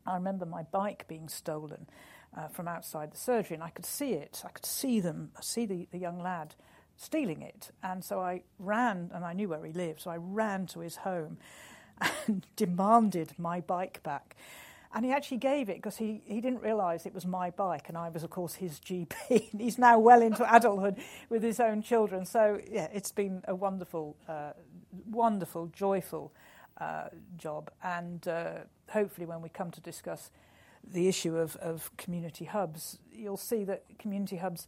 I remember my bike being stolen from outside the surgery, and I could see it. I could see them, I see the young lad stealing it. I ran, and I knew where he lived, so I ran to his home and demanded my bike back. He actually gave it because he didn't realize it was my bike, and I was, of course, his GP. He's now well into adulthood with his own children. It's been a wonderful, wonderful, joyful job. Hopefully, when we come to discuss the issue of community hubs, you'll see that community hubs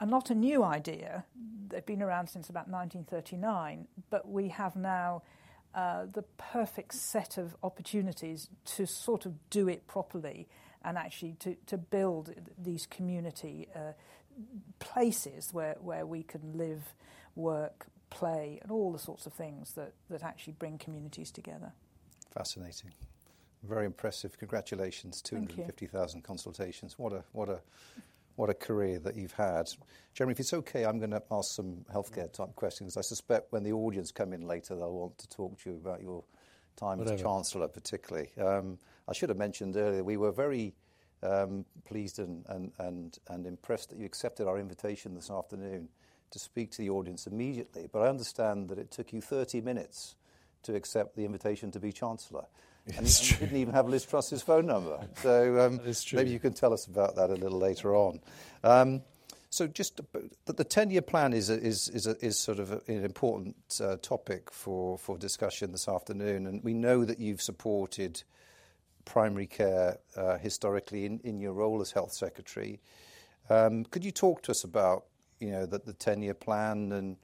are not a new idea. They've been around since about 1939, but we have now the perfect set of opportunities to sort of do it properly and actually to build these community places where we can live, work, play, and all the sorts of things that actually bring communities together. Fascinating. Very impressive. Congratulations, 250,000 consultations. What a career that you've had. Jeremy, if it's okay, I'm going to ask some healthcare type questions. I suspect when the audience come in later, they'll want to talk to you about your time as Chancellor particularly. I should have mentioned earlier, we were very pleased and impressed that you accepted our invitation this afternoon to speak to the audience immediately. I understand that it took you 30 minutes to accept the invitation to be Chancellor. You didn't even have Liz Truss's phone number. Maybe you can tell us about that a little later on. The 10-year plan is an important topic for discussion this afternoon. We know that you've supported primary care historically in your role as Health Secretary. Could you talk to us about the 10-year plan?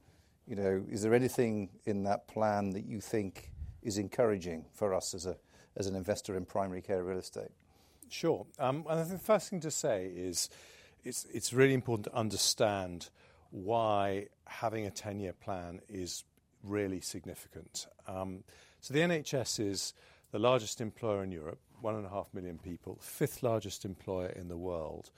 Is there anything in that plan that you think is encouraging for us as an investor in primary care real estate? Sure. I think the first thing to say is it's really important to understand why having a 10-year plan is really significant. The NHS is the largest employer in Europe, 1.5 million people, fifth largest employer in the world.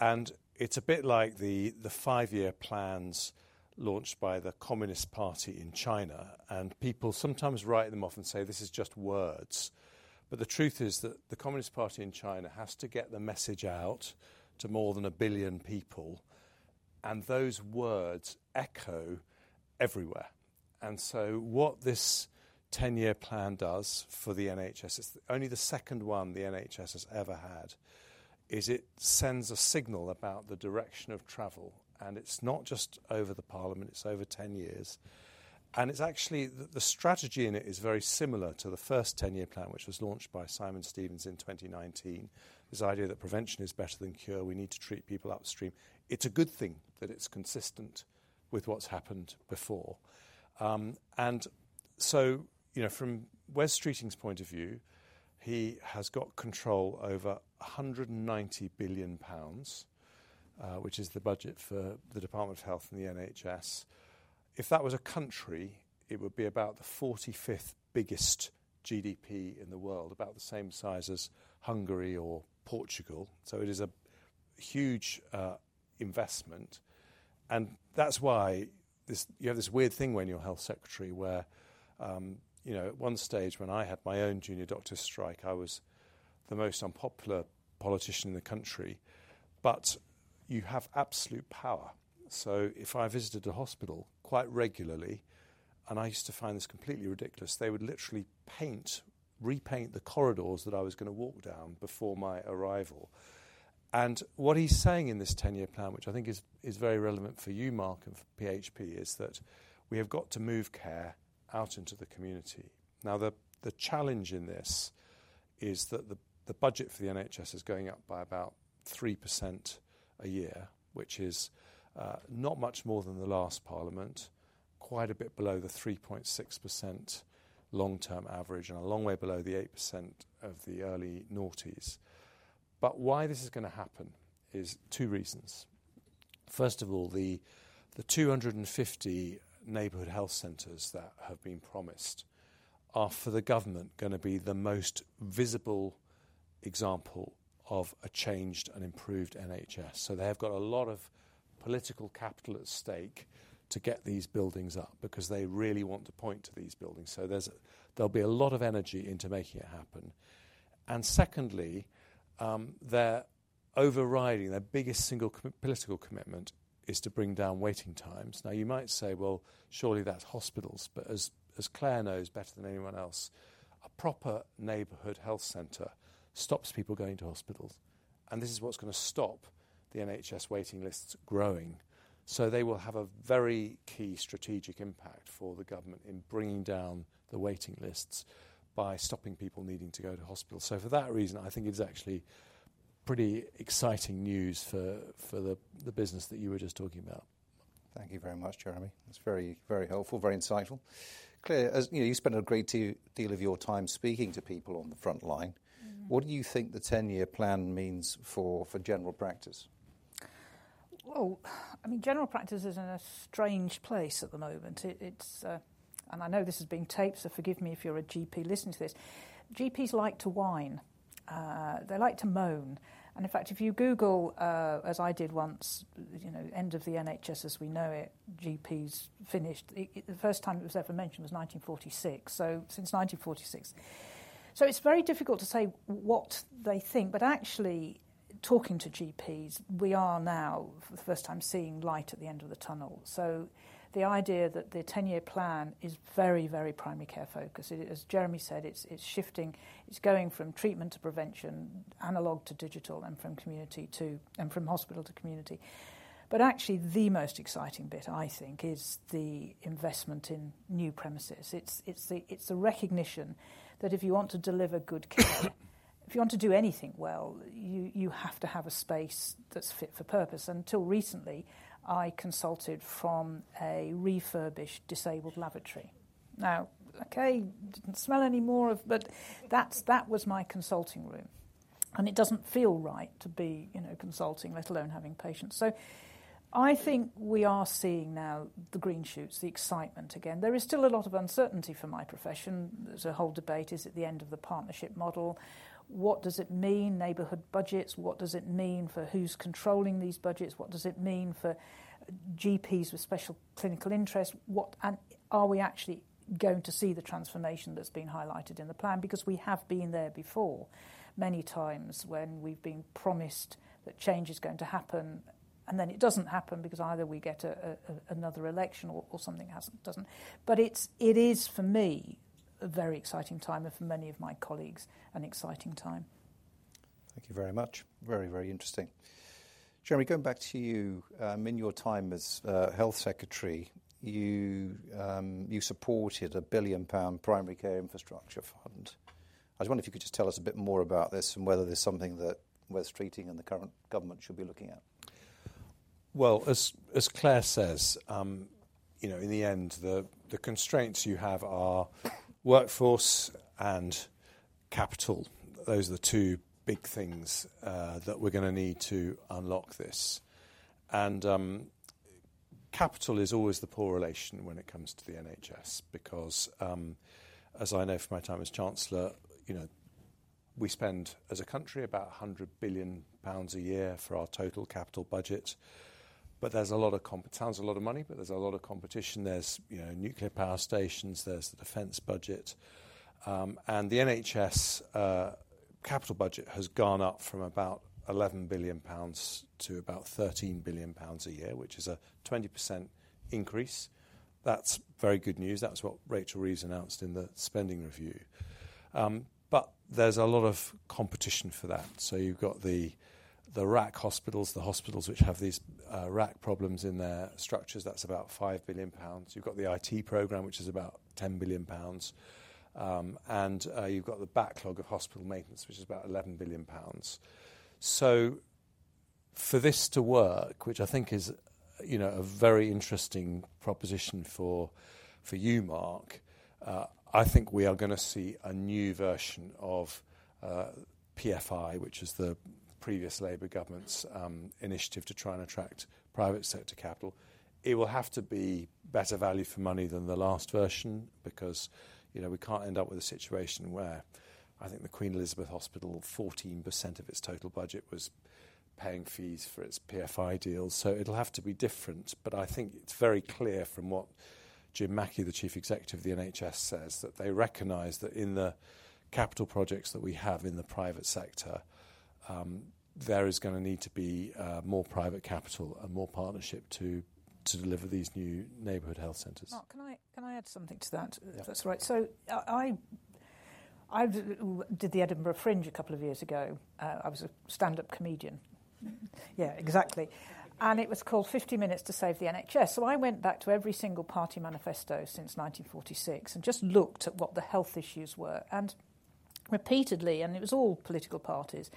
It's a bit like the five-year plans launched by the Communist Party in China. People sometimes write them off and say, "This is just words." The truth is that the Communist Party in China has to get the message out to more than a billion people, and those words echo everywhere. What this 10-year plan does for the NHS, and it's only the second one the NHS has ever had, is it sends a signal about the direction of travel. It's not just over the parliament, it's over 10 years. The strategy in it is very similar to the first 10-year plan, which was launched by Simon Stevens in 2019, this idea that prevention is better than cure. We need to treat people upstream. It's a good thing that it's consistent with what's happened before. From Wes Streeting's point of view, he has got control over 190 billion pounds, which is the budget for the Department of Health and the NHS. If that was a country, it would be about the 45th biggest GDP in the world, about the same size as Hungary or Portugal. It is a huge investment. That's why you have this weird thing when you're Health Secretary, where at one stage when I had my own junior doctor's strike, I was the most unpopular politician in the country. You have absolute power. If I visited a hospital quite regularly, and I used to find this completely ridiculous, they would literally repaint the corridors that I was going to walk down before my arrival. What he's saying in this 10-year plan, which I think is very relevant for you, Mark, and for PHP, is that we have got to move care out into the community. The challenge in this is that the budget for the NHS is going up by about 3% a year, which is not much more than the last parliament, quite a bit below the 3.6% long-term average and a long way below the 8% of the early 2000s. Why this is going to happen is two reasons. First of all, the 250 neighborhood health centers that have been promised are for the government going to be the most visible example of a changed and improved NHS. They have got a lot of political capital at stake to get these buildings up because they really want to point to these buildings. There will be a lot of energy into making it happen. Secondly, their overriding, their biggest single political commitment is to bring down waiting times. You might say, surely that's hospitals, but as Claire knows better than anyone else, a proper neighborhood health center stops people going to hospitals. This is what's going to stop the NHS waiting lists growing. They will have a very key strategic impact for the government in bringing down the waiting lists by stopping people needing to go to hospitals. For that reason, I think it's actually pretty exciting news for the business that you were just talking about. Thank you very much, Jeremy. That's very, very helpful, very insightful. Claire, as you know, you spent a great deal of your time speaking to people on the front line. What do you think the 10-year plan means for general practice? General practice is in a strange place at the moment. I know this is being taped, so forgive me if you're a GP listening to this. GPs like to whine. They like to moan. In fact, if you Google, as I did once, you know, end of the NHS as we know it, GPs finished. The first time it was ever mentioned was 1946. Since 1946, it's very difficult to say what they think. Actually, talking to GPs, we are now for the first time seeing light at the end of the tunnel. The idea that the 10-year plan is very, very primary care focused. As Jeremy said, it's shifting. It's going from treatment to prevention, analog to digital, and from hospital to community. Actually, the most exciting bit, I think, is the investment in new premises. It's the recognition that if you want to deliver good care, if you want to do anything well, you have to have a space that's fit for purpose. Until recently, I consulted from a refurbished disabled lavatory. Okay, didn't smell any more, but that was my consulting room. It doesn't feel right to be consulting, let alone having patients. I think we are seeing now the green shoots, the excitement again. There is still a lot of uncertainty for my profession. The whole debate is at the end of the partnership model. What does it mean, neighborhood budgets? What does it mean for who's controlling these budgets? What does it mean for GPs with special clinical interests? Are we actually going to see the transformation that's been highlighted in the plan? We have been there before many times when we've been promised that change is going to happen, and then it doesn't happen because either we get another election or something doesn't. It is, for me, a very exciting time, and for many of my colleagues, an exciting time. Thank you very much. Very, very interesting. Jeremy, going back to you, in your time as Health Secretary, you supported a 1 billion pound primary care infrastructure fund. I just wonder if you could just tell us a bit more about this and whether there's something that Wes Streeting and the current government should be looking at. As Claire says, you know, in the end, the constraints you have are workforce and capital. Those are the two big things that we're going to need to unlock this. Capital is always the poor relation when it comes to the NHS because, as I know from my time as Chancellor, you know, we spend as a country about 100 billion pounds a year for our total capital budget. It sounds like a lot of money, but there's a lot of competition. There's nuclear power stations, there's the defense budget. The NHS capital budget has gone up from about 11 billion pounds to about 13 billion pounds a year, which is a 20% increase. That's very good news. That was what Rachel Reeves announced in the spending review. There's a lot of competition for that. You've got the RAC hospitals, the hospitals which have these RAC problems in their structures, that's about 5 billion pounds. You've got the IT program, which is about 10 billion pounds. You've got the backlog of hospital maintenance, which is about 11 billion pounds. For this to work, which I think is a very interesting proposition for you, Mark, I think we are going to see a new version of PFI, which is the previous Labour government's initiative to try and attract private sector capital. It will have to be better value for money than the last version because, you know, we can't end up with a situation where I think the Queen Elizabeth Hospital, 14% of its total budget was paying fees for its PFI deals. It'll have to be different. I think it's very clear from what Jim Mackey, the Chief Executive of the NHS, says that they recognize that in the capital projects that we have in the private sector, there is going to need to be more private capital and more partnership to deliver these new neighborhood health centers. Can I add something to that? If that's all right. I did the Edinburgh Fringe a couple of years ago. I was a stand-up comedian. Yeah, exactly. It was called 50 Minutes to Save the NHS. I went back to every single party manifesto since 1946 and just looked at what the health issues were. Repeatedly, and it was all political parties,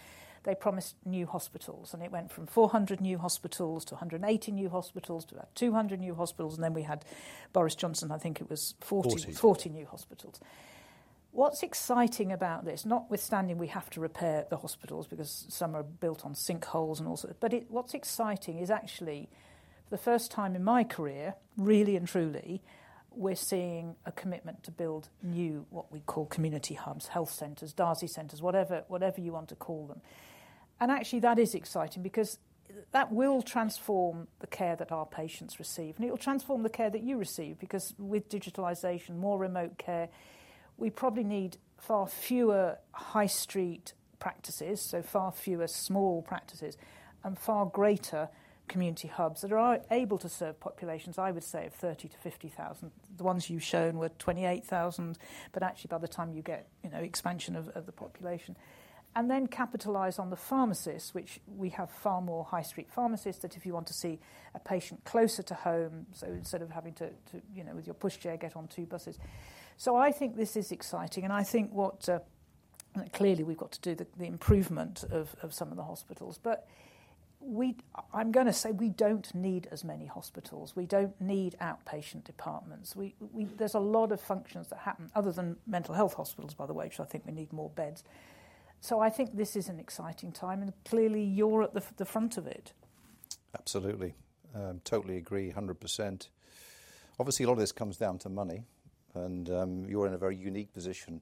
they promised new hospitals. It went from 400 new hospitals to 180 new hospitals to about 200 new hospitals. Then we had Boris Johnson, I think it was 40 new hospitals. What's exciting about this, notwithstanding we have to repair the hospitals because some are built on sinkholes and all sorts of things, what's exciting is actually, for the first time in my career, really and truly, we're seeing a commitment to build new, what we call community hubs, health centers, Darcy centers, whatever you want to call them. Actually, that is exciting because that will transform the care that our patients receive. It'll transform the care that you receive because with digitalization, more remote care, we probably need far fewer high street practices, so far fewer small practices, and far greater community hubs that are able to serve populations, I would say, of 30,000-50,000. The ones you've shown were 28,000, but actually, by the time you get, you know, expansion of the population. Then capitalize on the pharmacists, which we have far more high street pharmacists that if you want to see a patient closer to home, instead of having to, you know, with your pushchair, get on two buses. I think this is exciting. I think what clearly we've got to do, the improvement of some of the hospitals. I'm going to say we don't need as many hospitals. We don't need outpatient departments. There's a lot of functions that happen, other than mental health hospitals, by the way, which I think we need more beds. I think this is an exciting time. Clearly, you're at the front of it. Absolutely. Totally agree, 100%. Obviously, a lot of this comes down to money. You're in a very unique position,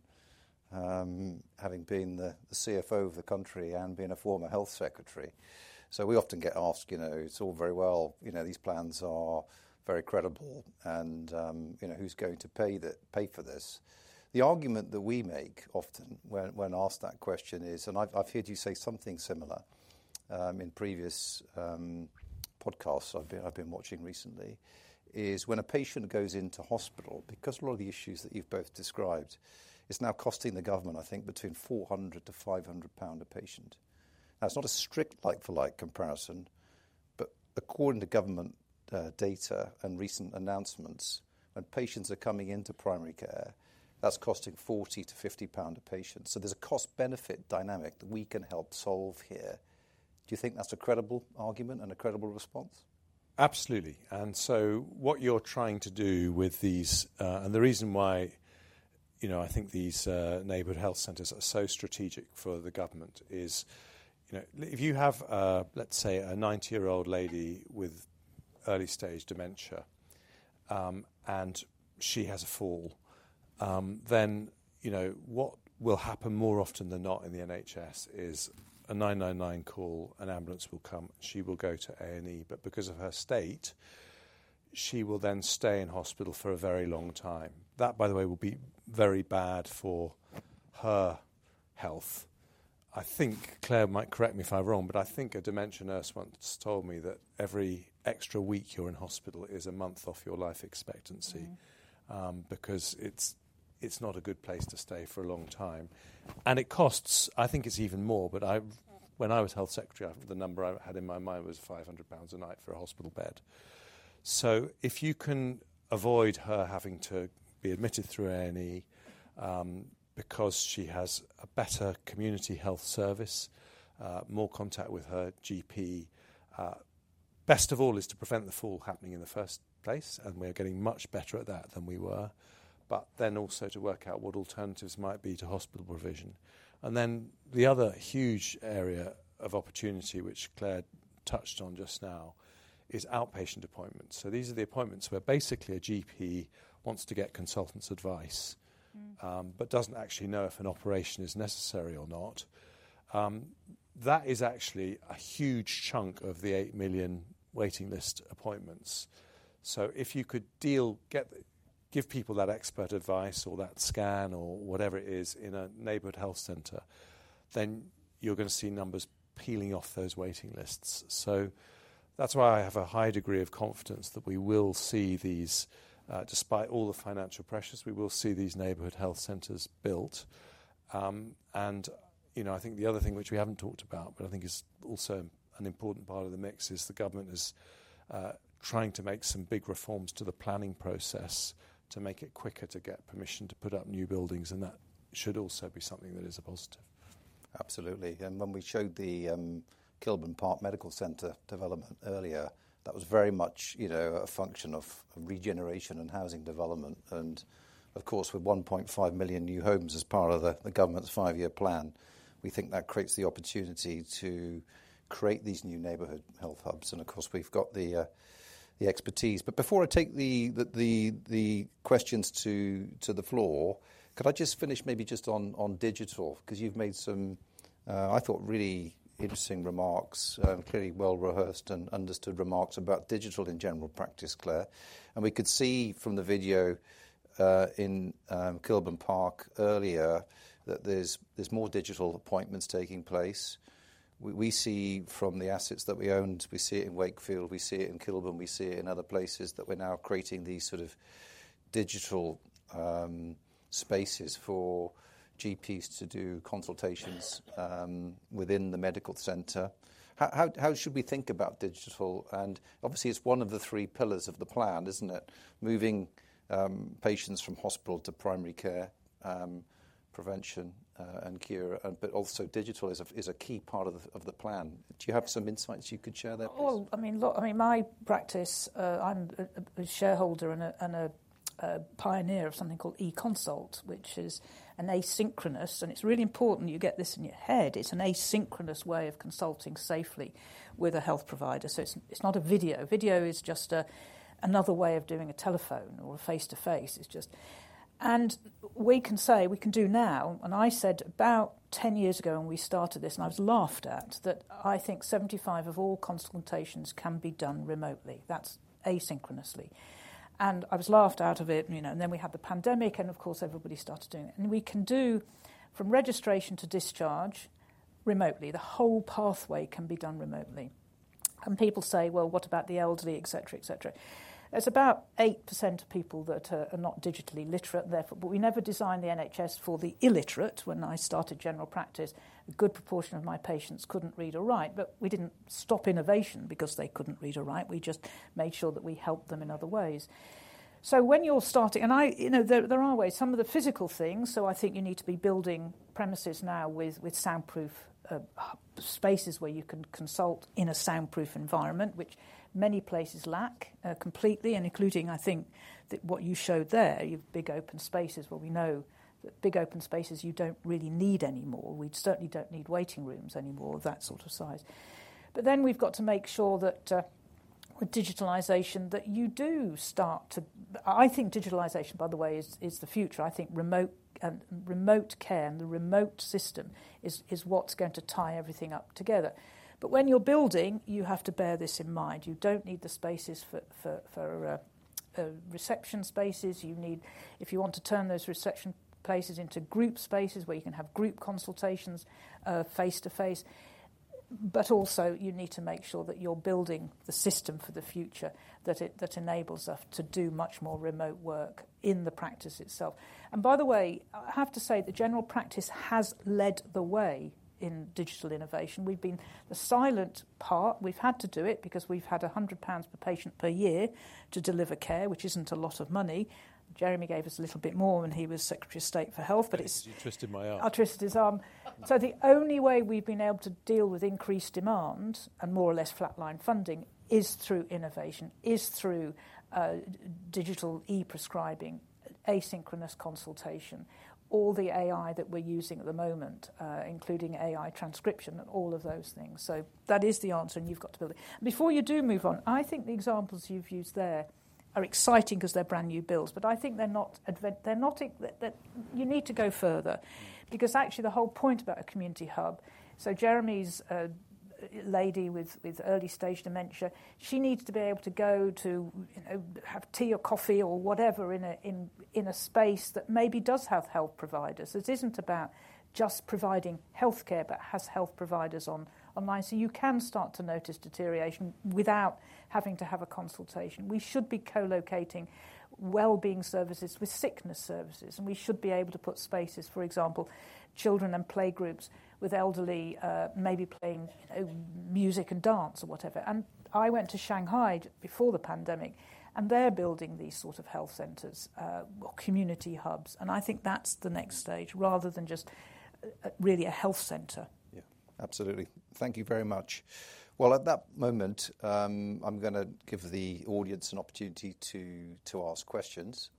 having been the CFO of the country and being a former Health Secretary. We often get asked, you know, it's all very well, you know, these plans are very credible. You know, who's going to pay for this? The argument that we make often when asked that question is, and I've heard you say something similar in previous podcasts I've been watching recently, when a patient goes into hospital, because a lot of the issues that you've both described, it's now costing the government, I think, between 400-500 pound a patient. That's not a strict like-for-like comparison, but according to government data and recent announcements, when patients are coming into primary care, that's costed 40-50 pound a patient. There's a cost-benefit dynamic that we can help solve here. Do you think that's a credible argument and a credible response? Absolutely. What you're trying to do with these, and the reason why I think these neighborhood health centers are so strategic for the government is, if you have, let's say, a 90-year-old lady with early stage dementia and she has a fall, what will happen more often than not in the NHS is a 999 call, an ambulance will come, she will go to A&E, but because of her state, she will then stay in hospital for a very long time. That, by the way, will be very bad for her health. I think Claire might correct me if I'm wrong, but I think a dementia nurse once told me that every extra week you're in hospital is a month off your life expectancy because it's not a good place to stay for a long time. It costs, I think it's even more, but when I was Health Secretary, the number I had in my mind was 500 pounds a night for a hospital bed. If you can avoid her having to be admitted through A&E because she has a better community health service, more contact with her GP, best of all is to prevent the fall happening in the first place, and we are getting much better at that than we were, but also to work out what alternatives might be to hospital provision. The other huge area of opportunity, which Claire touched on just now, is outpatient appointments. These are the appointments where basically a GP wants to get consultants' advice but doesn't actually know if an operation is necessary or not. That is actually a huge chunk of the 8 million waiting list appointments. If you could give people that expert advice or that scan or whatever it is in a neighborhood health center, you're going to see numbers peeling off those waiting lists. That's why I have a high degree of confidence that we will see these, despite all the financial pressures, we will see these neighborhood health centers built. I think the other thing which we haven't talked about, but I think is also an important part of the mix, is the government is trying to make some big reforms to the planning process to make it quicker to get permission to put up new buildings, and that should also be something that is a positive. Absolutely. When we showed the Kilburn Park Medical Center development earlier, that was very much a function of regeneration and housing development. With 1.5 million new homes as part of the government's five-year plan, we think that creates the opportunity to create these new neighborhood health hubs. We have the expertise. Before I take the questions to the floor, could I just finish maybe just on digital? You have made some, I thought, really interesting remarks and clearly well-rehearsed and understood remarks about digital in general practice, Claire. We could see from the video in Kilburn Park earlier that there are more digital appointments taking place. We see from the assets that we own, we see it in Wakefield, we see it in Kilburn, we see it in other places that we're now creating these digital spaces for GPs to do consultations within the medical center. How should we think about digital? Obviously, it's one of the three pillars of the plan, isn't it? Moving patients from hospital to primary care, prevention and cure, but also digital is a key part of the plan. Do you have some insights you could share there? Oh, I mean, my practice, I'm a shareholder and a pioneer of something called eConsult, which is an asynchronous, and it's really important you get this in your head. It's an asynchronous way of consulting safely. With A health provider. It's not a video. Video is just another way of doing a telephone or a face-to-face. It's just, and we can say, we can do now. I said about 10 years ago, when we started this, and I was laughed at, that I think 75% of all consultations can be done remotely. That's asynchronously. I was laughed out of it, you know, and then we had the pandemic, and of course everybody started doing it. We can do from registration to discharge remotely. The whole pathway can be done remotely. People say, what about the elderly, etc. It's about 8% of people that are not digitally literate. We never designed the NHS for the illiterate. When I started general practice, a good proportion of my patients couldn't read or write, but we didn't stop innovation because they couldn't read or write. We just made sure that we helped them in other ways. When you're starting, there are ways, some of the physical things, so I think you need to be building premises now with soundproof spaces where you can consult in a soundproof environment, which many places lack completely, including, I think, what you showed there. You have big open spaces, where we know that big open spaces you don't really need anymore. We certainly don't need waiting rooms anymore, that sort of size. We've got to make sure that with digitalization, you do start to, I think digitalization, by the way, is the future. I think remote and remote care, and the remote system is what's going to tie everything up together. When you're building, you have to bear this in mind. You don't need the spaces for reception spaces. If you want to turn those reception places into group spaces where you can have group consultations, face-to-face. You need to make sure that you're building the system for the future that enables us to do much more remote work in the practice itself. By the way, I have to say that general practice has led the way in digital innovation. We've been the silent part. We've had to do it because we've had 100 pounds per patient per year to deliver care, which isn't a lot of money. Jeremy gave us a little bit more when he was Secretary of State for Health, but it's. You twisted my arm. I twisted his arm. The only way we've been able to deal with increased demand and more or less flatline funding is through innovation, through digital e-prescribing, asynchronous consultation, all the AI that we're using at the moment, including AI transcription and all of those things. That is the answer, and you've got to build it. Before you do move on, I think the examples you've used there are exciting because they're brand new builds, but I think they're not, you need to go further. Actually, the whole point about a community hub, so Jeremy's lady with early stage dementia, she needs to be able to go to have tea or coffee or whatever in a space that maybe does have health providers. This isn't about just providing healthcare, but has health providers online. You can start to notice deterioration without having to have a consultation. We should be co-locating wellbeing services with sickness services, and we should be able to put spaces, for example, children and playgroups with elderly, maybe playing music and dance or whatever. I went to Shanghai before the pandemic, and they're building these sorts of health centers, community hubs, and I think that's the next stage rather than just really a health center. Absolutely. Thank you very much. At that moment, I'm going to give the audience an opportunity to ask questions.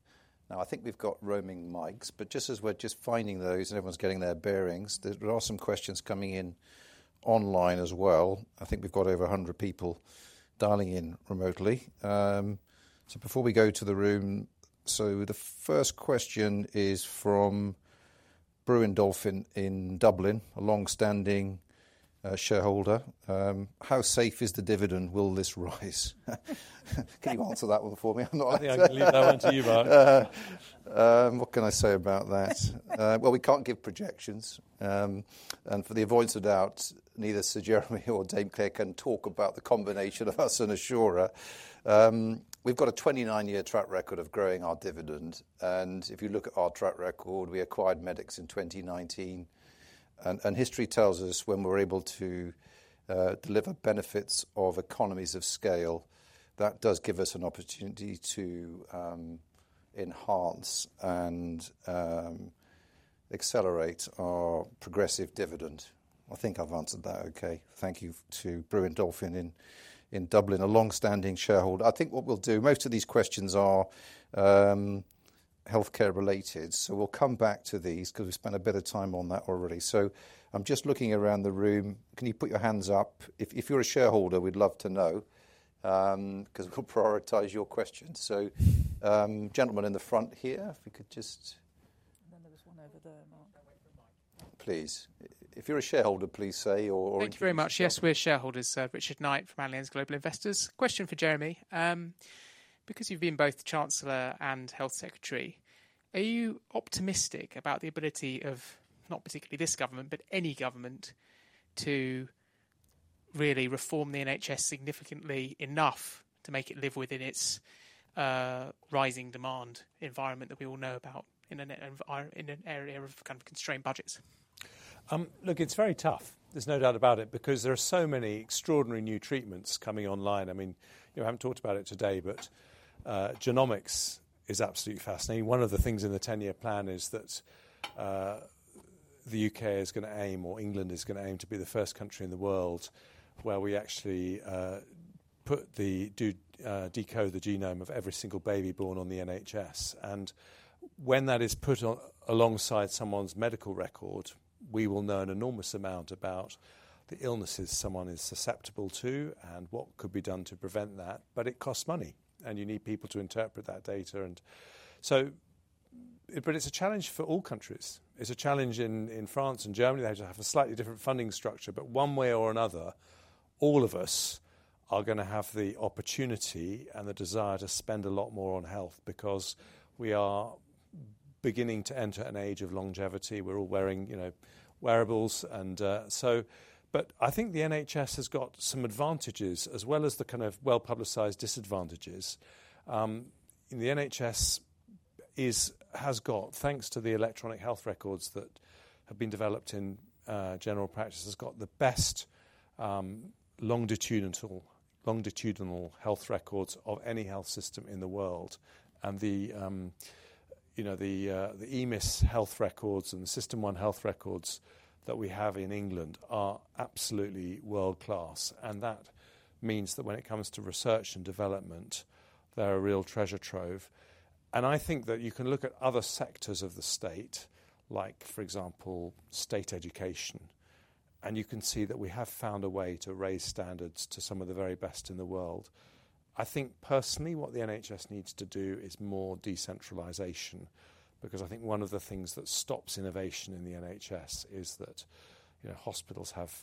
I think we've got roaming mics, but just as we're finding those and everyone's getting their bearings, there are some questions coming in online as well. I think we've got over 100 people dialing in remotely. Before we go to the room, the first question is from Brewin Dolphin in Dublin, a longstanding shareholder. How safe is the dividend? Will this rise? Can you answer that one for me? I'm not. I think I can leave that one to you, Mark. What can I say about that? We can't give projections. For the avoidance of doubt, neither Sir Jeremy Hunt nor Liam Cleary can talk about the combination of us and Assura. We've got a 29-year track record of growing our dividend. If you look at our track record, we acquired Medics in 2019. History tells us when we're able to deliver benefits of economies of scale, that does give us an opportunity to enhance and accelerate our progressive dividend. I think I've answered that. Thank you to Brewin Dolphin in Dublin, a longstanding shareholder. I think what we'll do, most of these questions are healthcare related. We'll come back to these because we spent a bit of time on that already. I'm just looking around the room. Can you put your hands up? If you're a shareholder, we'd love to know because we'll prioritize your questions. Gentlemen in the front here, if we could just. No, there was one over there, Mark. Please, if you're a shareholder, please say. Thank you very much. Yes, we're shareholders, Richard Knight from Allianz Global Investors. Question for Jeremy. Because you've been both the Chancellor and Health Secretary, are you optimistic about the ability of not particularly this government, but any government to really reform the NHS significantly enough to make it live within its rising demand environment that we all know about in an area of kind of constrained budgets? Look, it's very tough. There's no doubt about it because there are so many extraordinary new treatments coming online. I mean, we haven't talked about it today, but genomics is absolutely fascinating. One of the things in the 10-year plan is that the U.K. is going to aim, or England is going to aim, to be the first country in the world where we actually put the decode of the genome of every single baby born on the NHS. When that is put alongside someone's medical record, we will know an enormous amount about the illnesses someone is susceptible to and what could be done to prevent that. It costs money. You need people to interpret that data. It's a challenge for all countries. It's a challenge in France and Germany. They have a slightly different funding structure, but one way or another, all of us are going to have the opportunity and the desire to spend a lot more on health because we are beginning to enter an age of longevity. We're all wearing, you know, wearables. I think the NHS has got some advantages as well as the kind of well-publicized disadvantages. The NHS has got, thanks to the electronic health records that have been developed in general practice, the best longitudinal health records of any health system in the world. The EMIS health records and the SystmOne health records that we have in England are absolutely world-class. That means that when it comes to research and development, they're a real treasure trove. I think that you can look at other sectors of the state, like for example, state education, and you can see that we have found a way to raise standards to some of the very best in the world. I think personally what the NHS needs to do is more decentralization because I think one of the things that stops innovation in the NHS is that hospitals have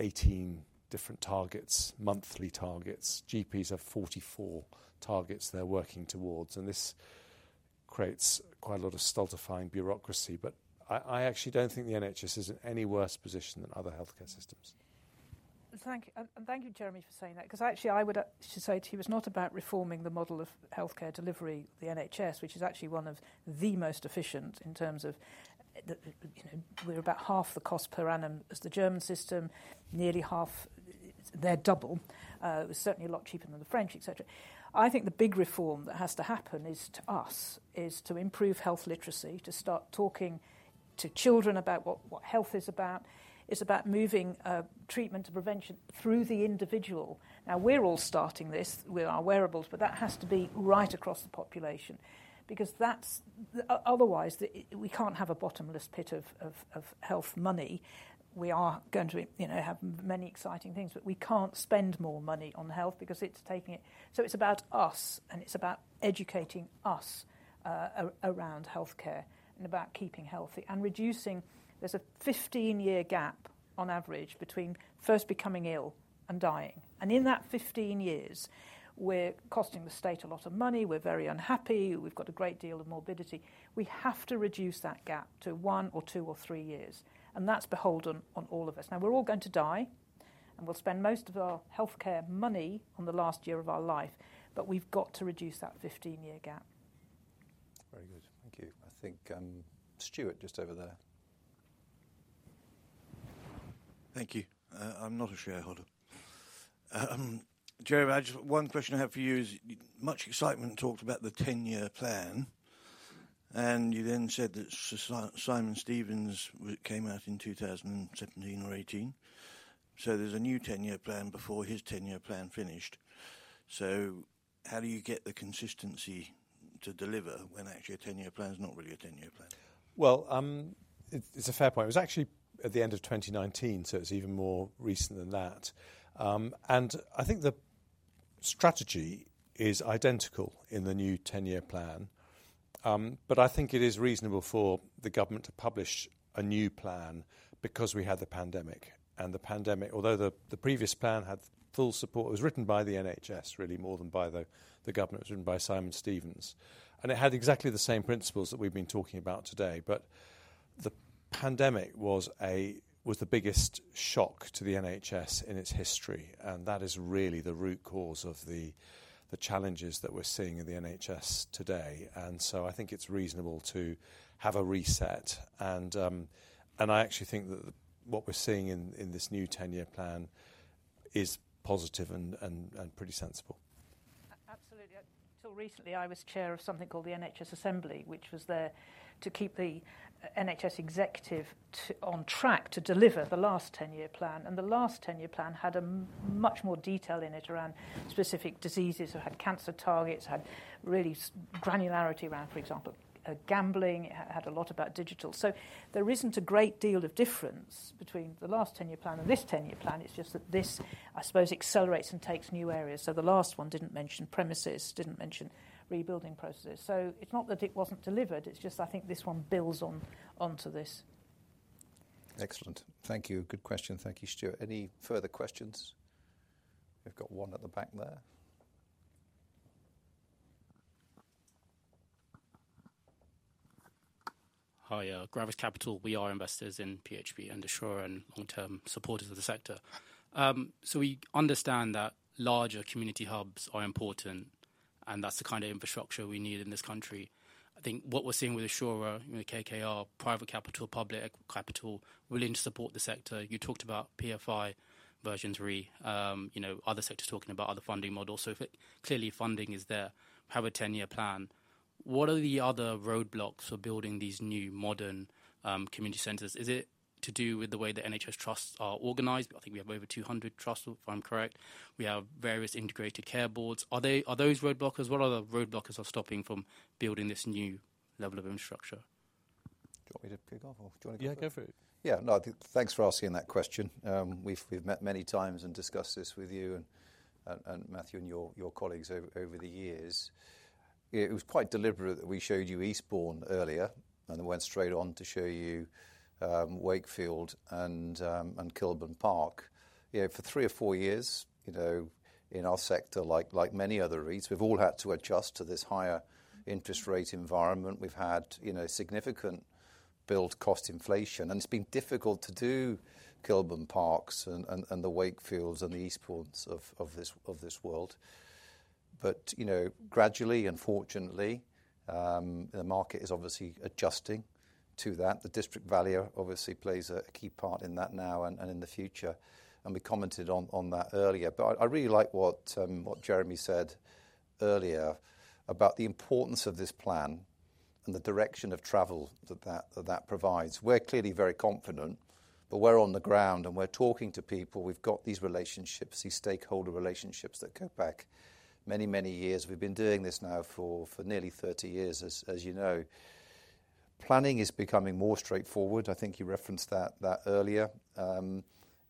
18 different targets, monthly targets. GPs have 44 targets they're working towards. This creates quite a lot of stultifying bureaucracy, but I actually don't think the NHS is in any worse position than other healthcare systems. Thank you. Thank you, Jeremy, for saying that. I would say to you, it was not about reforming the model of healthcare delivery, the NHS, which is actually one of the most efficient in terms of, you know, we're about half the cost per annum as the German system, nearly half, they're double. It is certainly a lot cheaper than the French, etc. I think the big reform that has to happen is to us, to improve health literacy, to start talking to children about what health is about. It's about moving treatment to prevention through the individual. Now we're all starting this with our wearables, but that has to be right across the population. Otherwise, we can't have a bottomless pit of health money. We are going to have many exciting things, but we can't spend more money on health because it's taking it. It's about us, and it's about educating us around healthcare and about keeping healthy and reducing. There's a 15-year gap on average between first becoming ill and dying. In that 15 years, we're costing the state a lot of money. We're very unhappy. We've got a great deal of morbidity. We have to reduce that gap to one or two or three years. That's beholden on all of us. We're all going to die, and we'll spend most of our healthcare money on the last year of our life, but we've got to reduce that 15-year gap. Very good. Thank you. I think Stuart just over there. Thank you. I'm not a shareholder. Jeremy, I just, one question I have for you is much excitement talked about the 10-year plan. You then said that Simon Stevens came out in 2017 or 2018. There's a new 10-year plan before his 10-year plan finished. How do you get the consistency to deliver when actually a 10-year plan is not really a 10-year plan? It's a fair point. It was actually at the end of 2019, so it's even more recent than that. I think the strategy is identical in the new 10-year plan. I think it is reasonable for the government to publish a new plan because we had the pandemic. The pandemic, although the previous plan had full support, was written by the NHS really more than by the government. It was written by Simon Stevens, and it had exactly the same principles that we've been talking about today. The pandemic was the biggest shock to the NHS in its history. That is really the root cause of the challenges that we're seeing in the NHS today. I think it's reasonable to have a reset. I actually think that what we're seeing in this new 10-year plan is positive and pretty sensible. Absolutely. Until recently, I was Chair of something called the NHS Assembly, which was there to keep the NHS executive on track to deliver the last 10-year plan. The last 10-year plan had much more detail in it around specific diseases, had cancer targets, had real granularity around, for example, gambling. It had a lot about digital. There isn't a great deal of difference between the last 10-year plan and this 10-year plan. I suppose this accelerates and takes new areas. The last one didn't mention premises, didn't mention rebuilding processes. It's not that it wasn't delivered. I think this one builds onto this. Excellent. Thank you. Good question. Thank you, Stuart. Any further questions? We've got one at the back there. Hi, Gravis Capital. We are investors in PHP and Assura and long-term supporters of the sector. We understand that larger community hubs are important, and that's the kind of infrastructure we need in this country. I think what we're seeing with Assura, KKR, private capital, public capital, willing to support the sector. You talked about PFI version three, other sectors talking about other funding models. If clearly funding is there, have a 10-year plan. What are the other roadblocks for building these new modern community centers? Is it to do with the way the NHS trusts are organized? I think we have over 200 trusts, if I'm correct. We have various integrated care boards. Are those roadblocks as well? Are the roadblocks that are stopping from building this new level of infrastructure? Do you want me to kick off or join? Yeah, go for it. Yeah, no, thanks for asking that question. We've met many times and discussed this with you and Matthew and your colleagues over the years. It was quite deliberate that we showed you Eastbourne earlier and went straight on to show you Wakefield and Kilburn Park. For three or four years, in our sector, like many other REITs, we've all had to adjust to this higher interest rate environment. We've had significant build cost inflation, and it's been difficult to do Kilburn Parks and the Wakefields and the Eastbournes of this world. Gradually, unfortunately, the market is obviously adjusting to that. The district valuer obviously plays a key part in that now and in the future. We commented on that earlier, but I really like what Jeremy said earlier about the importance of this plan and the direction of travel that that provides. We're clearly very confident, but we're on the ground and we're talking to people. We've got these relationships, these stakeholder relationships that go back many, many years. We've been doing this now for nearly 30 years, as you know. Planning is becoming more straightforward. I think you referenced that earlier.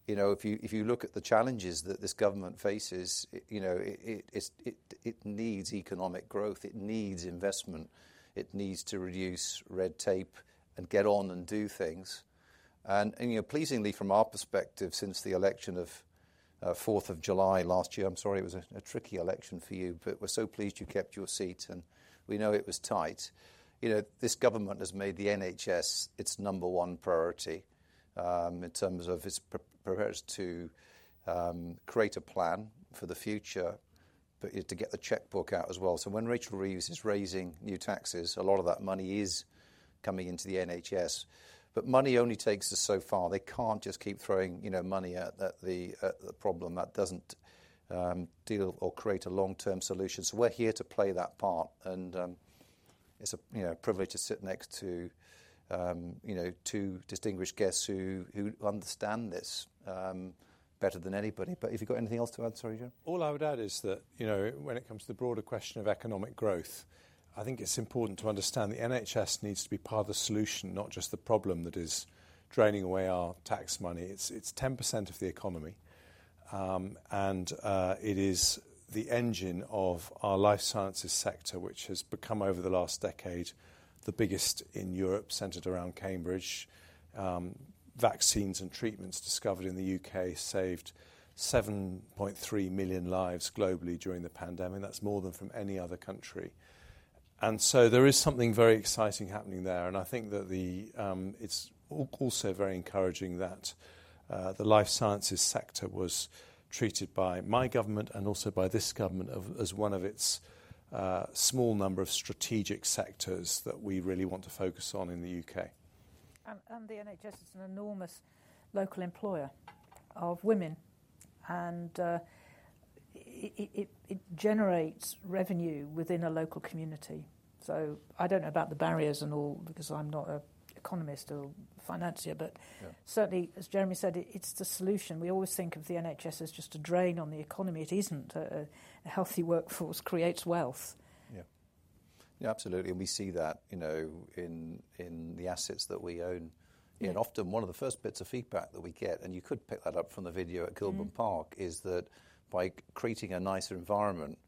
If you look at the challenges that this government faces, it needs economic growth. It needs investment. It needs to reduce red tape and get on and do things. Pleasingly from our perspective, since the election of 4th of July last year, I'm sorry, it was a tricky election for you, but we're so pleased you kept your seat and we know it was tight. This government has made the NHS its number one priority in terms of its preparedness to create a plan for the future, but to get the checkbook out as well. When Rachel Reeves is raising new taxes, a lot of that money is coming into the NHS. Money only takes us so far. They can't just keep throwing money at the problem that doesn't deal or create a long-term solution. We're here to play that part. It's a privilege to sit next to two distinguished guests who understand this better than anybody. If you've got anything else to add, sorry, Jeremy. All I would add is that, you know, when it comes to the broader question of economic growth, I think it's important to understand the NHS needs to be part of the solution, not just the problem that is draining away our tax money. It's 10% of the economy. It is the engine of our life sciences sector, which has become over the last decade the biggest in Europe, centered around Cambridge. Vaccines and treatments discovered in the U.K. saved 7.3 million lives globally during the pandemic. That's more than from any other country. There is something very exciting happening there. I think that it's also very encouraging that the life sciences sector was treated by my government and also by this government as one of its small number of strategic sectors that we really want to focus on in the U.K.. The NHS is an enormous local employer of women, and it generates revenue within a local community. I don't know about the barriers and all because I'm not an economist or financier, but certainly, as Jeremy said, it's the solution. We always think of the NHS as just a drain on the economy. It isn't. A healthy workforce creates wealth. Yeah, absolutely. We see that, you know, in the assets that we own. Often one of the first bits of feedback that we get, and you could pick that up from the video at Kilburn Park, is that by creating a nicer environment,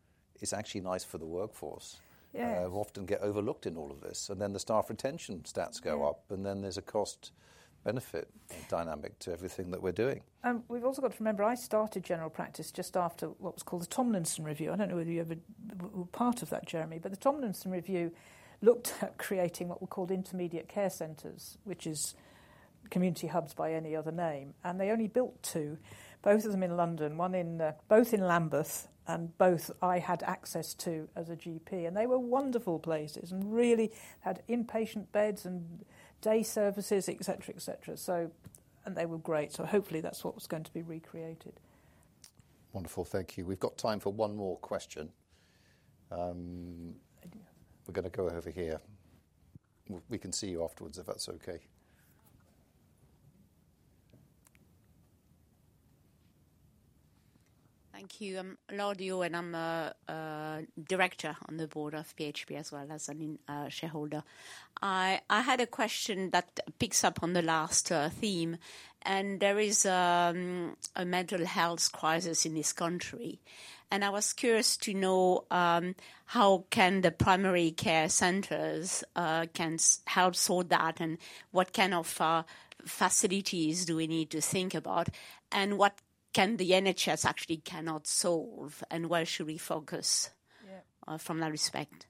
it's actually nice for the workforce. They often get overlooked in all of this. The staff retention stats go up, and there's a cost-benefit dynamic to everything that we're doing. We've also got to remember I started general practice just after what was called the Tomlinson Review. I don't know whether you ever were part of that, Jeremy, but the Tomlinson Review looked at creating what we called intermediate care centers, which is community hubs by any other name. They only built two, both of them in London, both in Lambeth, and both I had access to as a GP. They were wonderful places and really had inpatient beds and day services, et cetera, et cetera. They were great. Hopefully that's what was going to be recreated. Wonderful. Thank you. We've got time for one more question. We're going to go over here. We can see you afterwards if that's okay. Thank you. I'm Claudio, and I'm a Director on the board of PHP as well as a shareholder. I had a question that picks up on the last theme. There is a mental health crisis in this country. I was curious to know how can the primary care centers help sort that and what kind of facilities do we need to think about, and what can the NHS actually cannot solve, and where should we focus from that respect?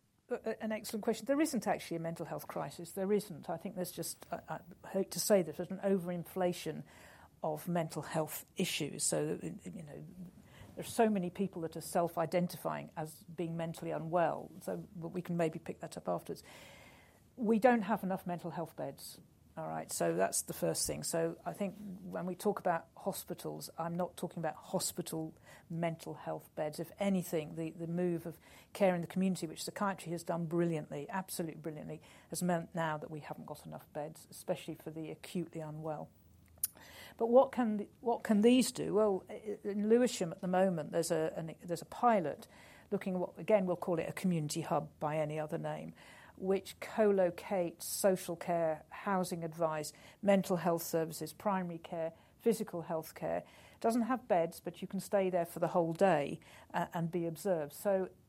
An excellent question. There isn't actually a mental health crisis. There isn't. I think there's just, I hate to say this, there's an overinflation of mental health issues. You know, there's so many people that are self-identifying as being mentally unwell. We can maybe pick that up afterwards. We don't have enough mental health beds. That's the first thing. I think when we talk about hospitals, I'm not talking about hospital mental health beds. If anything, the move of care in the community, which the country has done brilliantly, absolutely brilliantly, has meant now that we haven't got enough beds, especially for the acute, the unwell. What can these do? In Lewisham at the moment, there's a pilot looking at what, again, we'll call it a community hub by any other name, which co-locates social care, housing advice, mental health services, primary care, physical health care. It doesn't have beds, but you can stay there for the whole day and be observed.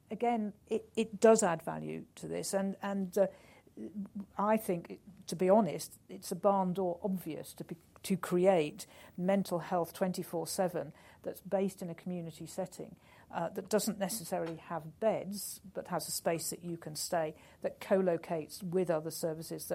It does add value to this. I think, to be honest, it's a barn door obvious to create mental health 24/7 that's based in a community setting that doesn't necessarily have beds, but has a space that you can stay that co-locates with other services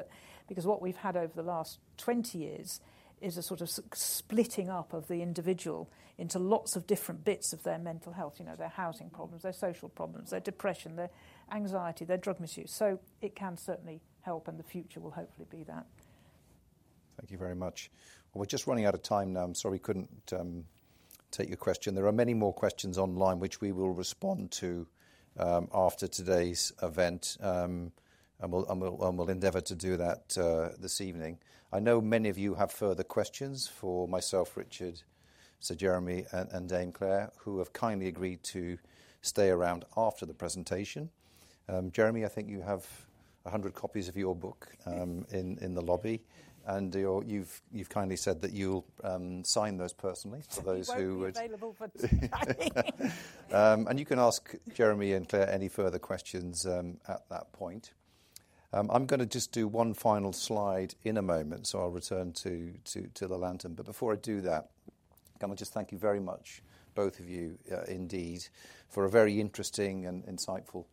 because what we've had over the last 20 years is a sort of splitting up of the individual into lots of different bits of their mental health, their housing problems, their social problems, their depression, their anxiety, their drug misuse. It can certainly help, and the future will hopefully be that. Thank you very much. We're just running out of time now. I'm sorry we couldn't take your question. There are many more questions online, which we will respond to after today's event. We'll endeavor to do that this evening. I know many of you have further questions for myself, Richard, Sir Jeremy, and Dame Claire, who have kindly agreed to stay around after the presentation. Jeremy, I think you have a hundred copies of your book in the lobby, and you've kindly said that you'll sign those personally. Those who would. I'm available for. You can ask Jeremy and Claire any further questions at that point. I'm going to just do one final slide in a moment. I'll return to the lantern. Before I do that, can I just thank you very much, both of you indeed, for a very interesting and insightful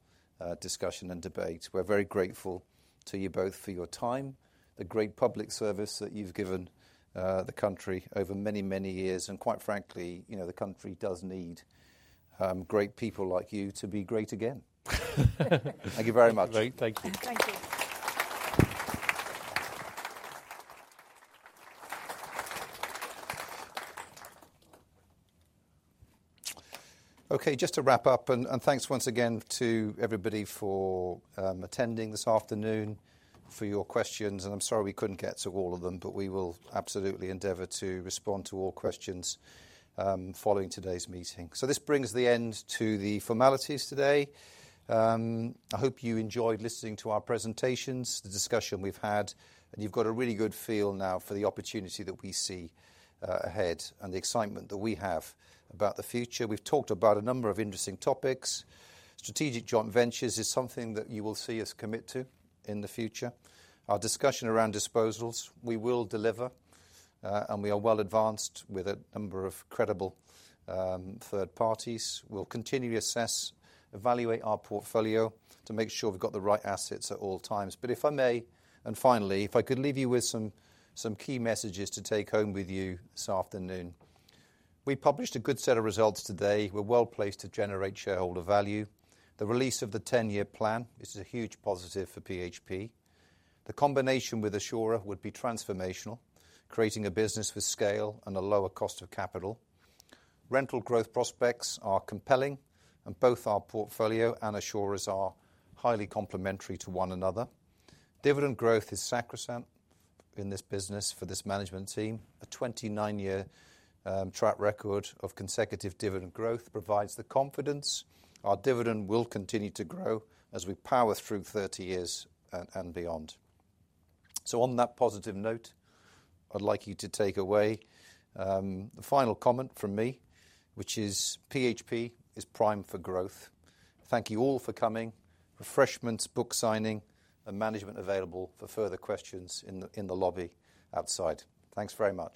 discussion and debate. We're very grateful to you both for your time, the great public service that you've given the country over many, many years. Quite frankly, you know, the country does need great people like you to be great again. Thank you very much. Great. Thank you. Thank you. Okay, just to wrap up, and thanks once again to everybody for attending this afternoon for your questions. I'm sorry we couldn't get to all of them, but we will absolutely endeavor to respond to all questions following today's meeting. This brings the end to the formalities today. I hope you enjoyed listening to our presentations, the discussion we've had, and you've got a really good feel now for the opportunity that we see ahead and the excitement that we have about the future. We've talked about a number of interesting topics. Strategic joint ventures is something that you will see us commit to in the future. Our discussion around disposals, we will deliver, and we are well advanced with a number of credible third parties. We'll continue to assess, evaluate our portfolio to make sure we've got the right assets at all times. If I may, and finally, if I could leave you with some key messages to take home with you this afternoon. We published a good set of results today. We're well placed to generate shareholder value. The release of the 10-year plan is a huge positive for PHP. The combination with Assura would be transformational, creating a business with scale and a lower cost of capital. Rental growth prospects are compelling, and both our portfolio and Assura's are highly complementary to one another. Dividend growth is sacrosanct in this business for this management team. A 29-year track record of consecutive dividend growth provides the confidence our dividend will continue to grow as we power through 30 years and beyond. On that positive note, I'd like you to take away the final comment from me, which is PHP is prime for growth. Thank you all for coming. Refreshments, book signing, and management available for further questions in the lobby outside. Thanks very much.